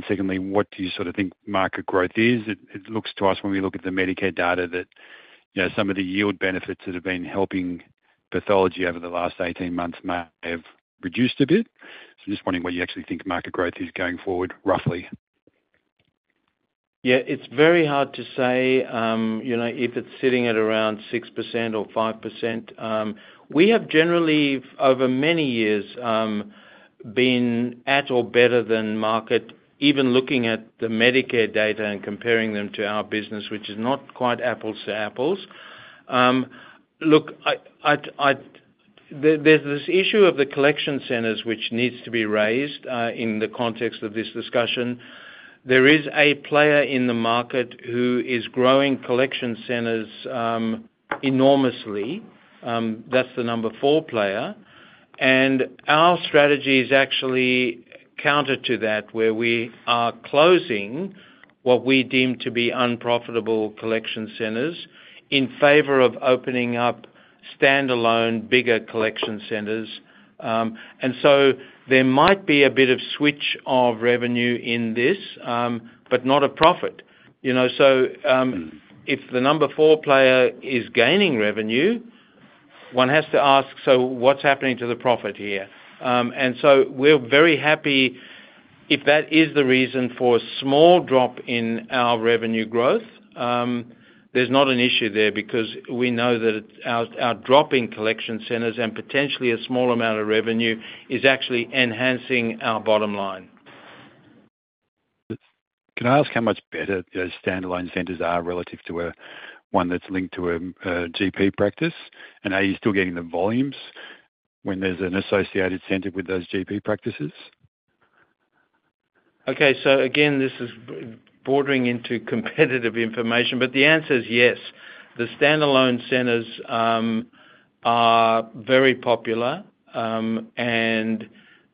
Secondly, what do you think market growth is? It looks to us, when we look at the Medicare data, that some of the yield benefits that have been helping pathology over the last 18 months may have reduced a bit. Just wondering what you actually think market growth is going forward roughly. Yeah, it's very hard to say if it's sitting at around 6% or 5%. We have generally over many years been at or better than market. Even looking at the Medicare data and comparing them to our business, which is not quite apples to apples. Look, there's this issue of the collection centers which needs to be raised in the context of this discussion. There is a player in the market who is growing collection centers enormously. That's the number four player. Our strategy is actually counter to that, where we are closing what we deem to be unprofitable collection centers in favor of opening up standalone, bigger collection centers. There might be a bit of switch of revenue in this, but not a profit, you know, so if the number four player is gaining revenue, one has to ask, so what's happening to the profit here? We're very happy if that is the reason for a small drop in our revenue growth. There's not an issue there because we know that our drop in collection centers and potentially a small amount of revenue is actually enhancing our bottom line. Can I ask how much better standalone centers are relative to one that's linked to a GP practice? Are you still getting the volumes when there's an associated center with those GP practices? Okay, this is bordering into competitive information, but the answer is yes, the standalone centers are very popular and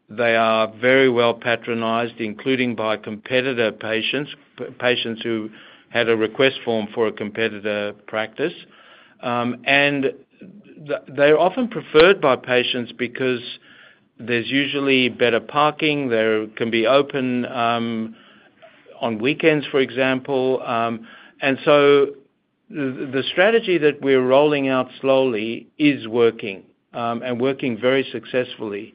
they are very well patronized, including by competitor patients, patients who had a request form for a competitor practice. They're often preferred by patients because there's usually better parking there and can be open on weekends, for example. The strategy that we're rolling out slowly is working and working very successfully.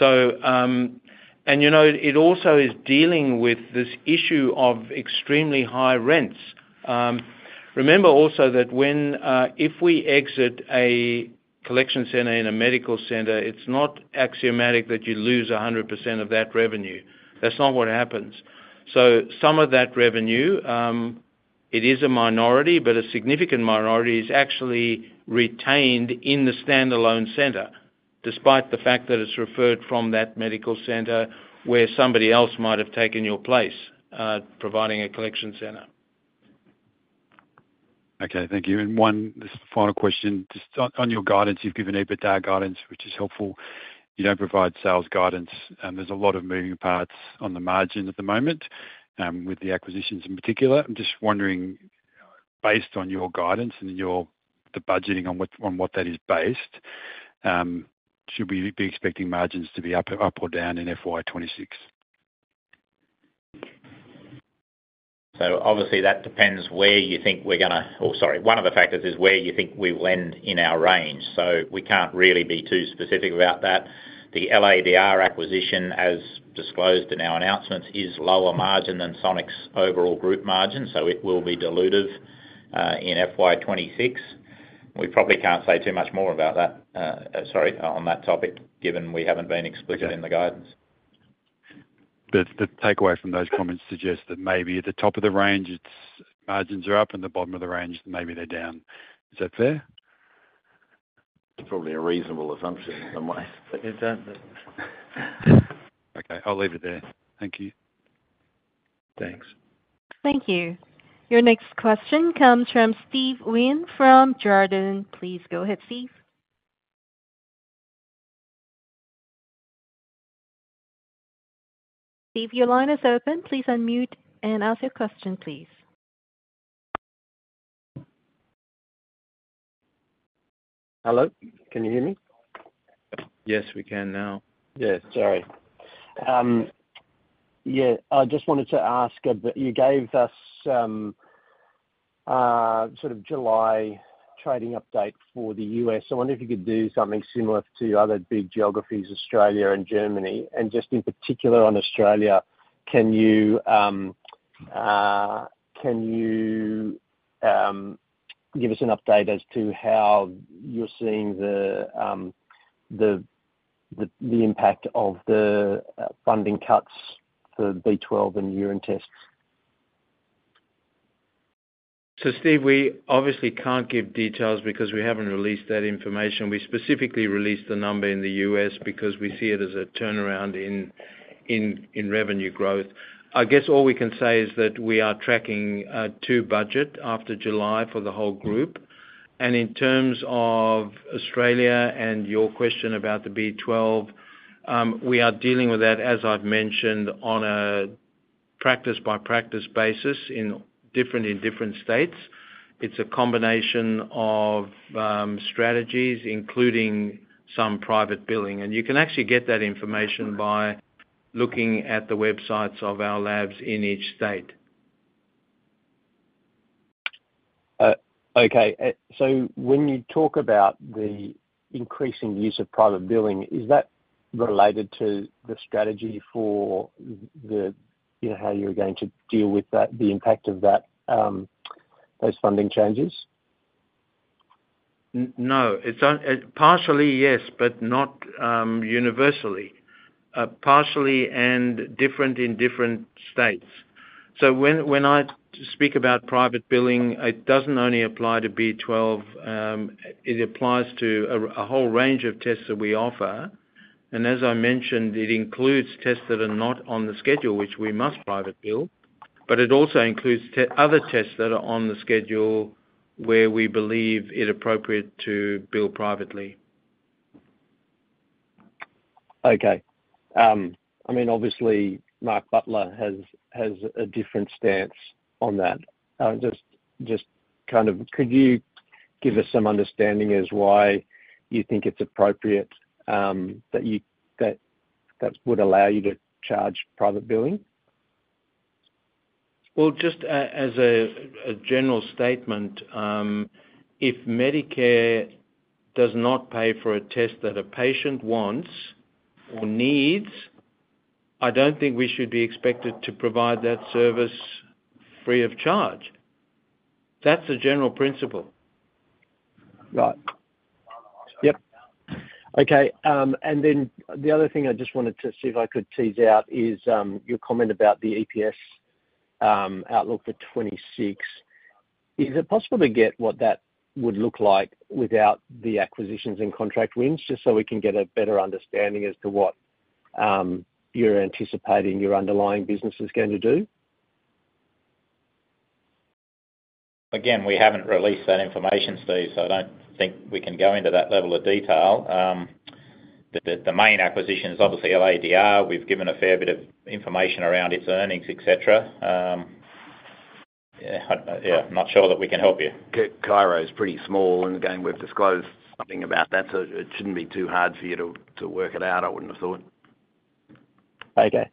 It also is dealing with this issue of extremely high rents. Remember also that if we exit a collection center in a medical center, it's not axiomatic that you lose 100% of that revenue. That's not what happens. Some of that revenue, it is a minority, but a significant minority is actually retained in the standalone center, despite the fact that it's referred from that medical center where somebody else might have taken your place providing a collection center. Okay, thank you. One final question, just on your guidance. You've given EBITDA guidance, which is helpful. You don't provide sales guidance. There's a lot of moving parts on the margin at the moment with the acquisitions in particular. I'm just wondering, based on your guidance and the budgeting on what that is based, should we be expecting margins to be up or down in FY 2026? That depends where you think we're going to. One of the factors is where you think we will end in our range, so we can't really be too specific about that. The LADR acquisition, as disclosed in our announcements, is lower margin than Sonic's overall group margin. It will be dilutive in FY 2026. We probably can't say too much more about that. On that topic, given we haven't been. Explicit in the guidance. But the takeaway from those comments suggests that maybe at the top of the range, its margins are up, and at the bottom of the range, maybe they're down. Is that fair? Probably a reasonable assumption in some ways. Okay, I'll leave it there. Thank you. Thanks. Thank you. Your next question comes from Steve Wheen from Jarden. Please go ahead, Steve. Steve, your line is open. Please unmute and ask your question. Hello, can you hear me? Yes, we can now. Yeah, sorry. I just wanted to ask, you gave us sort of July trading update for the U.S. I wonder if you could do something similar to other big geographies, Australia and Germany, and just in particular on Australia. Can you, can you give us an update as to how you're seeing the impact of the funding cuts for B12 and urine tests? We obviously can't give details because we haven't released that information. We specifically released the number in the U.S. because we see it as a turnaround in revenue growth. I guess all we can say is that we are tracking to budget after July for the whole group. In terms of Australia and your question about the B12, we are dealing with that, as I've mentioned, on a practice by practice basis in different states. It's a combination of strategies, including some private billing. You can actually get that information by looking at the websites of our labs in each state. Okay, when you talk about the increasing use of private billing, is that related to the strategy for the, you know, how you're going to deal with that, the impact of that, those funding changes? No, it's partially yes, but not universally partially and different in different states. When I speak about private billing, it doesn't only apply to B12, it applies to a whole range of tests that we offer. As I mentioned, it includes tests that are not on the schedule, which we must private bill, but it also includes other tests that are on the schedule where we believe it appropriate to bill privately. Okay. I mean, obviously Mark Butler has a different stance on that. Could you give us some understanding as to why you think it's appropriate that would allow you to charge private billing? As a general statement, if Medicare does not pay for a test that a patient wants or needs, I don't think we should be expected to provide that service free of charge. That's a general principle. Right. Yep. Okay. The other thing I just wanted to see if I could tease out is your comment about the EPS outlook for 2026. Is it possible to get what that would look like without the acquisitions and contract wins, just so we can get a better understanding as to what you're anticipating your underlying business is going to do? Again, we haven't released that information, Steve, so I don't think we can go into that level of detail. The main acquisition is obviously LADR. We've given a fair bit of information around its earnings, etc. Yeah, not sure that we can help you. Cairo Diagnostics is pretty small, and again, we've disclosed something about that, so it shouldn't be too hard for you to work it out. I wouldn't have thought. Okay,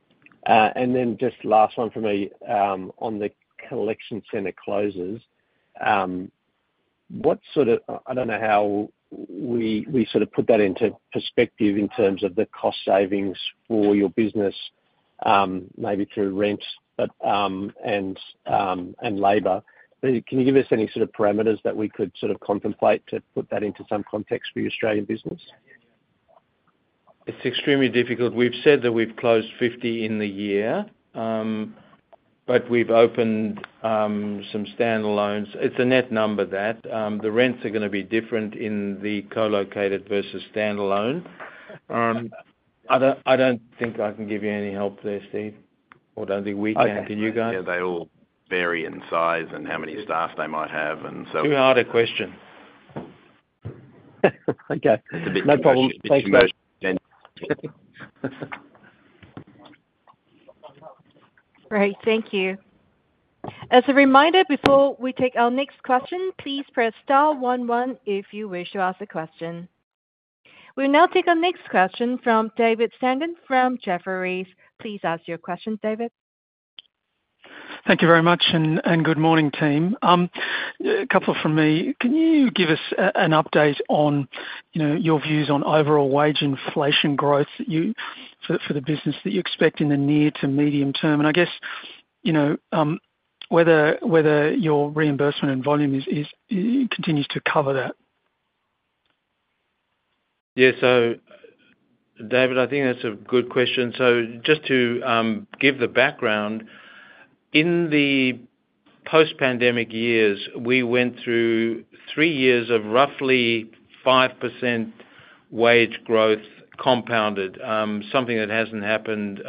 just last one for me on the collection center closes. What sort of? I don't know how we sort of put that into perspective in terms of the cost savings for your business, maybe through rent and labor. Can you give us any sort of parameters that we could sort of contemplate to put that into some context for your Australian business? It's extremely difficult. We've said that we've closed 50 in the year, but we've opened some standalones. It's a net number that the rents are going to be different in the co-located versus standalone. I don't think I can give you any help there, Steve, or don't think we can. Can you guys? They all vary in size and how many staff they might have and so. Too hard a question. Okay, no problem. Great, thank you. As a reminder, before we take our next question, please press star one one if you wish to ask a question. We'll now take our next question from David Stanton from Jefferies. Please ask your question, David. Thank you very much and good morning, team. A couple from me. Can you give us an update on your views on overall wage inflation growth for the business that you expect in the near to medium term and I guess whether your reimbursement and volume continues to cover that. Yeah, so David, I think that's a good question. Just to give the background, in the post-pandemic years we went through three years of roughly 5% wage growth compounded, something that hasn't happened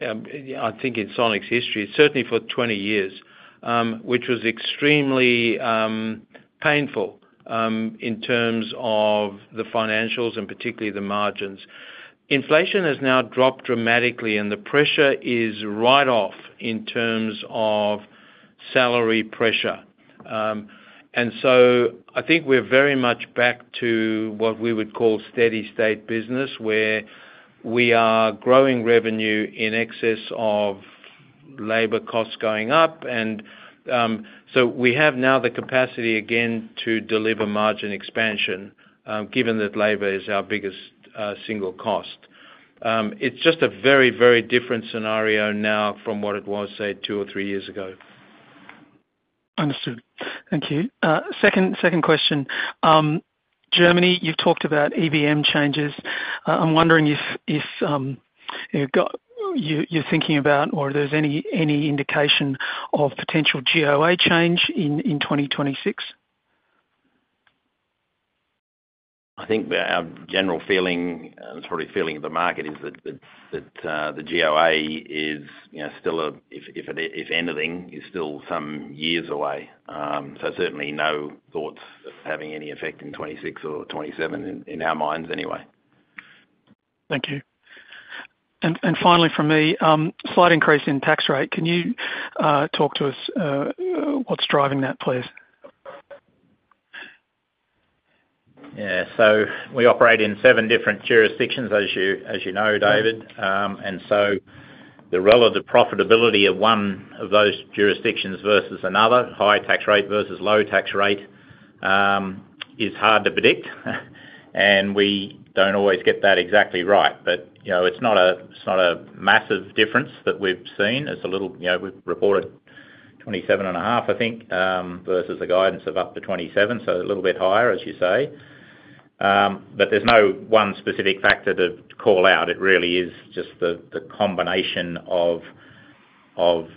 I think in Sonic's history, certainly for 20 years, which was extremely painful in terms of the financials and particularly the margins. Inflation has now dropped dramatically and the pressure is right off in terms of salary pressure. I think we're very much back to what we would call steady state business where we are growing revenue in excess of labor costs going up. We have now the capacity again to deliver margin expansion, given that labor is our biggest single cost. It's just a very, very different scenario now from what it was say two or three years ago. Understood, thank you. Second question, Germany. You've talked about EBM changes. I'm wondering if you're thinking about or there's any indication of potential (Goa) change in 2026. I think our general feeling, probably feeling of the market, is that the Goa is still, if anything, still some years away. Certainly no thoughts having any effect in 2026 or 2027 in our minds anyway. Thank you. Finally from me, slight increase in tax rate. Can you talk to us, what's driving that, please? Yeah. We operate in seven different jurisdictions. As you know, David. The relative profitability of one of those jurisdictions versus another, high tax rate versus low tax rate, is hard to predict and we don't always get that exactly right. It's not a massive difference that we've seen. We report a little 27.5%, I think, versus a guidance of up to 27%, so a little bit higher as you say. There's no one specific factor to call out. It really is just the combination of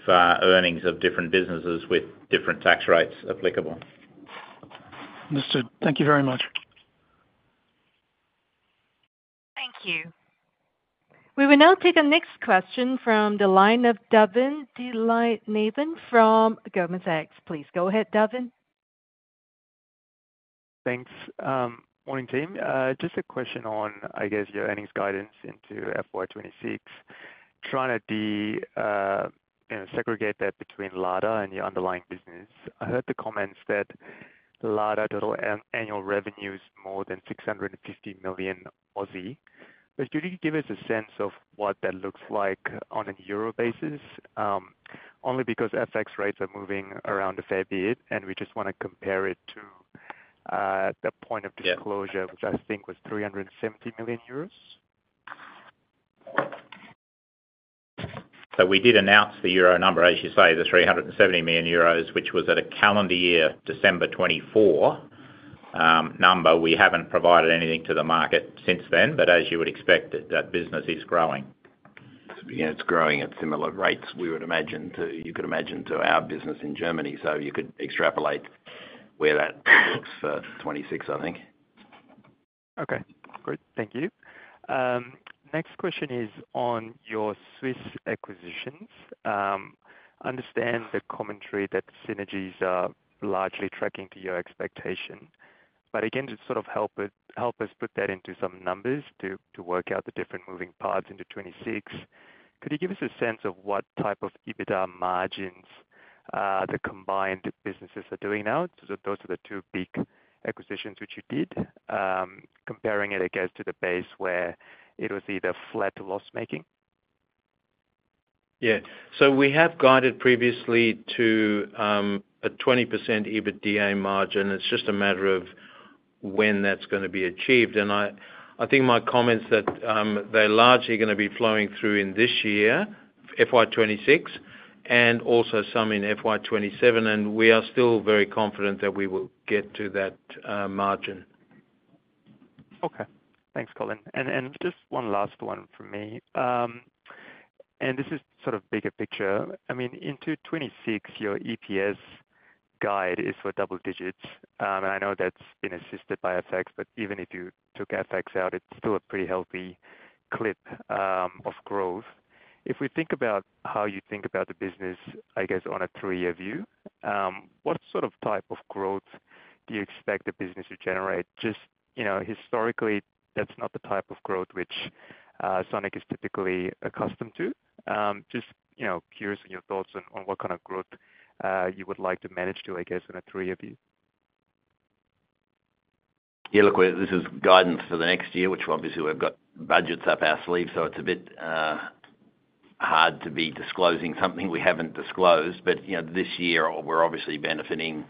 earnings of different businesses with different tax rates applicable. Understood. Thank you very much. Thank you. We will now take our next question from the line of Davinthra Thillainathan from Goldman Sachs. Please go ahead, Davinthra. Thanks. Morning team. Just a question on, I guess, your earnings guidance into FY 2026, trying to segregate that between LADR and your underlying business. I heard the comments that LADR total annual revenue is more than 650 million, but could you give us a sense of what that looks like on a euro basis only because FX rates are moving around a fair bit and we just want to compare it to the point of disclosure, which I think was 370 million euros. We did announce the euro number, as you say, the 370 million euros, which was at a calendar year, December 2024 number. We haven't provided anything to the market since then, but as you would expect, that business is growing. Yeah, it's growing at similar rates, we would imagine, you could imagine, to our business in Germany. You could extrapolate where that looks for 2026, I think. Okay, great, thank you. Next question is on your Swiss acquisitions. I understand the commentary that synergies are largely tracking to your expectation. To sort of help us put that into some numbers, to work out the different moving parts into 2026, could you give us a sense of what type of EBITDA margins the combined businesses are doing now? Those are the two big acquisitions which you did, comparing it, I guess, to the base where it was either flat or loss making. We have guided previously to a 20% EBITDA margin. It's just a matter of when that's going to be achieved. I think my comments are that they're largely going to be flowing through in this year, FY 2026, and also some in FY 2027. We are still very confident that we will get to that margin. Okay, thanks Colin. Just one last one from me and this is sort of bigger picture. I mean in 2026 your EPS guide is for double digits and I know that's been assisted by FX. Even if you took FX out, it's still a pretty healthy clip of growth. If we think about how you think about the business, I guess on a three year view, what sort of type of growth do you expect the business to generate? Historically that's not the type of growth which Sonic is typically accustomed to. Just curious on your thoughts on what kind of growth you would like to manage to, I guess in a three year view. Yeah, look, this is guidance for the next year which obviously we've got budgets up our sleeves, so it's a bit hard to be disclosing something we haven't disclosed. You know, this year we're obviously benefiting,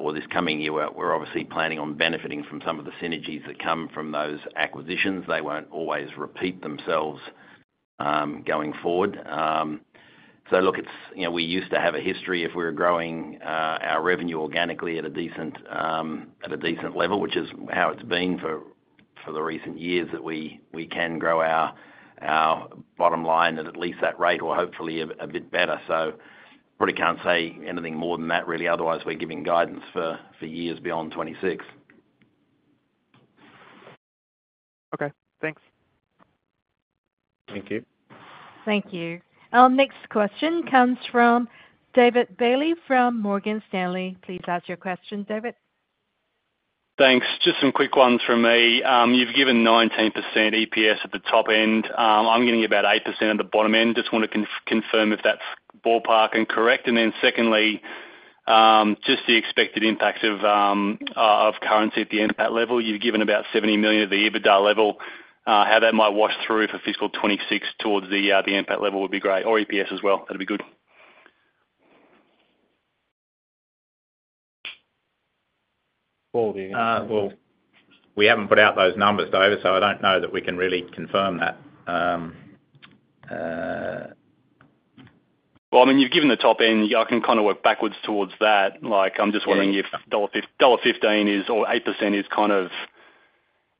or this coming year we're obviously planning on benefiting from some of the synergies that come from those acquisitions. They won't always repeat themselves going forward. It's, you know, we used to have a history, if we were growing our revenue organically at a decent level, which is how it's been for the recent years, that we can grow our bottom line at at least that rate or hopefully a bit better. Probably can't say anything more than that really. Otherwise we're giving guidance for years beyond 2026. Okay, thanks. Thank you. Thank you. Our next question comes from David Bailey from Morgan Stanley. Please ask your questions, David. Thanks. Just some quick ones from me. You've given 19% EPS at the top end. I'm getting about 8% at the bottom end. Just want to confirm if that's ballpark and correct. Secondly, just the expected impacts of currency at the NPAT level. You've given about 70 million at the EBITDA level. How that might wash through for fiscal. 2026 towards the NPAT level would be great. Or EPS as well. That'd be good. We haven't put out those numbers, Davis, so I don't know that we can really confirm that. You've given the top end. I can kind of work backwards towards that. I'm just wondering if (dollar 15), or 8%, is kind of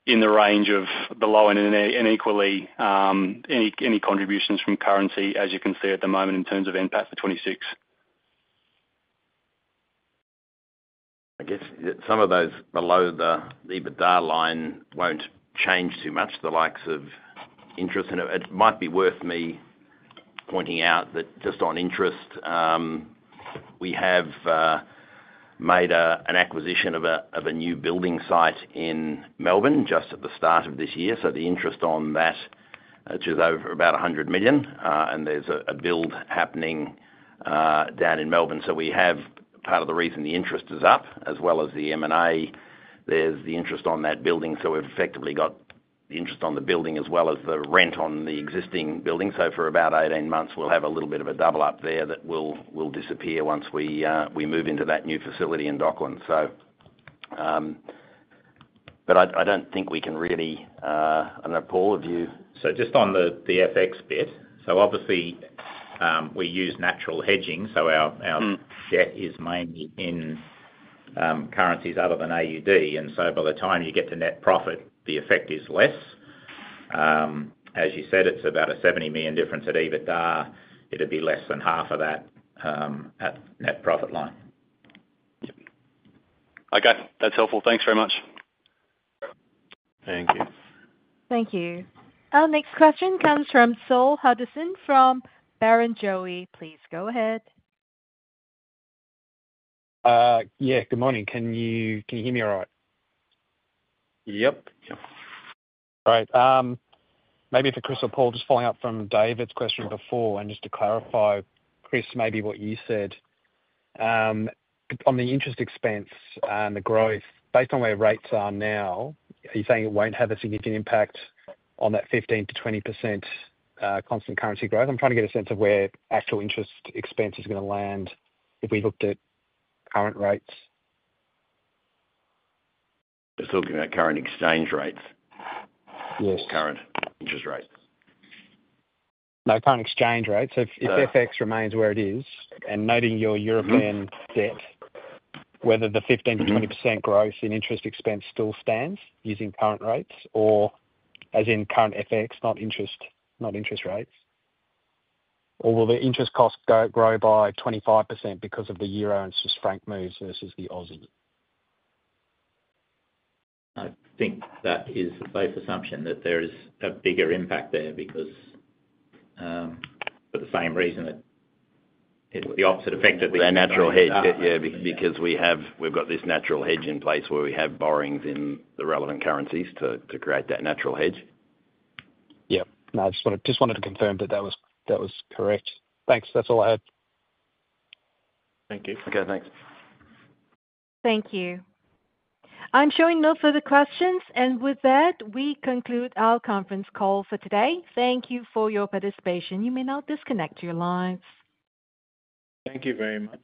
in the range of the low end and equally. Any contributions from currency as you can. See at the moment in terms of NPAT for 2026. I guess some of those below the EBITDA line won't change too much, the likes of interest. It might be worth me pointing out that just on interest, we have made an acquisition of a new building site in Melbourne just at the start of this year. The interest on that, which is over about 100 million, and there's a build happening down in Melbourne. Part of the reason the interest is up, as well as the M&A, is the interest on that building. We've effectively got the interest on the building as well as the rent on the existing building. For about 18 months, we'll have a little bit of a double up there that will disappear once we move into that new facility in Dockland. So. I don't think we can really. I know, Paul, have you. On the FX bit, we use natural hedging. Our debt is mainly in currencies other than AUD, and by the time you get to net profit the effect is less. As you said, it's about a 70 million difference at EBITDA. It'd be less than half of that at the net profit line. Okay, that's helpful. Thanks very much. Thank you. Thank you. Our next question comes from Saul Hadassin from Barrenjoey, please go ahead. Yeah, good morning. Can you hear me all right? Yep. Great. Maybe for Chris or Paul, just following up from David's question before, and just. To clarify, Chris, maybe what you said on the interest expense and the growth. Based on where rates are now. You saying it won't have a significant impact. Impact on that 15%-20% constant currency growth? I'm trying to get a sense of where actual interest expense is going to land if we looked at current rates. They're talking about current exchange rates. Yes. Current interest rates. No current exchange rates. If FX remains where it is. Noting your European set, whether the 15%-20% growth in interest expense still. Stands using current rates or as in current FX, not interest rates, or will. The interest costs grow by 25% because. Of the euro and franc moves versus the Aussie? I think that is a safe assumption that there is a bigger impact there because, for the same reason, the opposite effect. Yeah, because we've got this natural hedge in place where we have borrowings in the relevant currencies to create that natural hedge. Yep. I just wanted to confirm that was correct. Thanks. That's all I had. Thank you. Okay, thanks. Thank you. I'm showing no further questions. With that, we conclude our conference call for today. Thank you for your participation. You may now disconnect your lines. Thank you very much.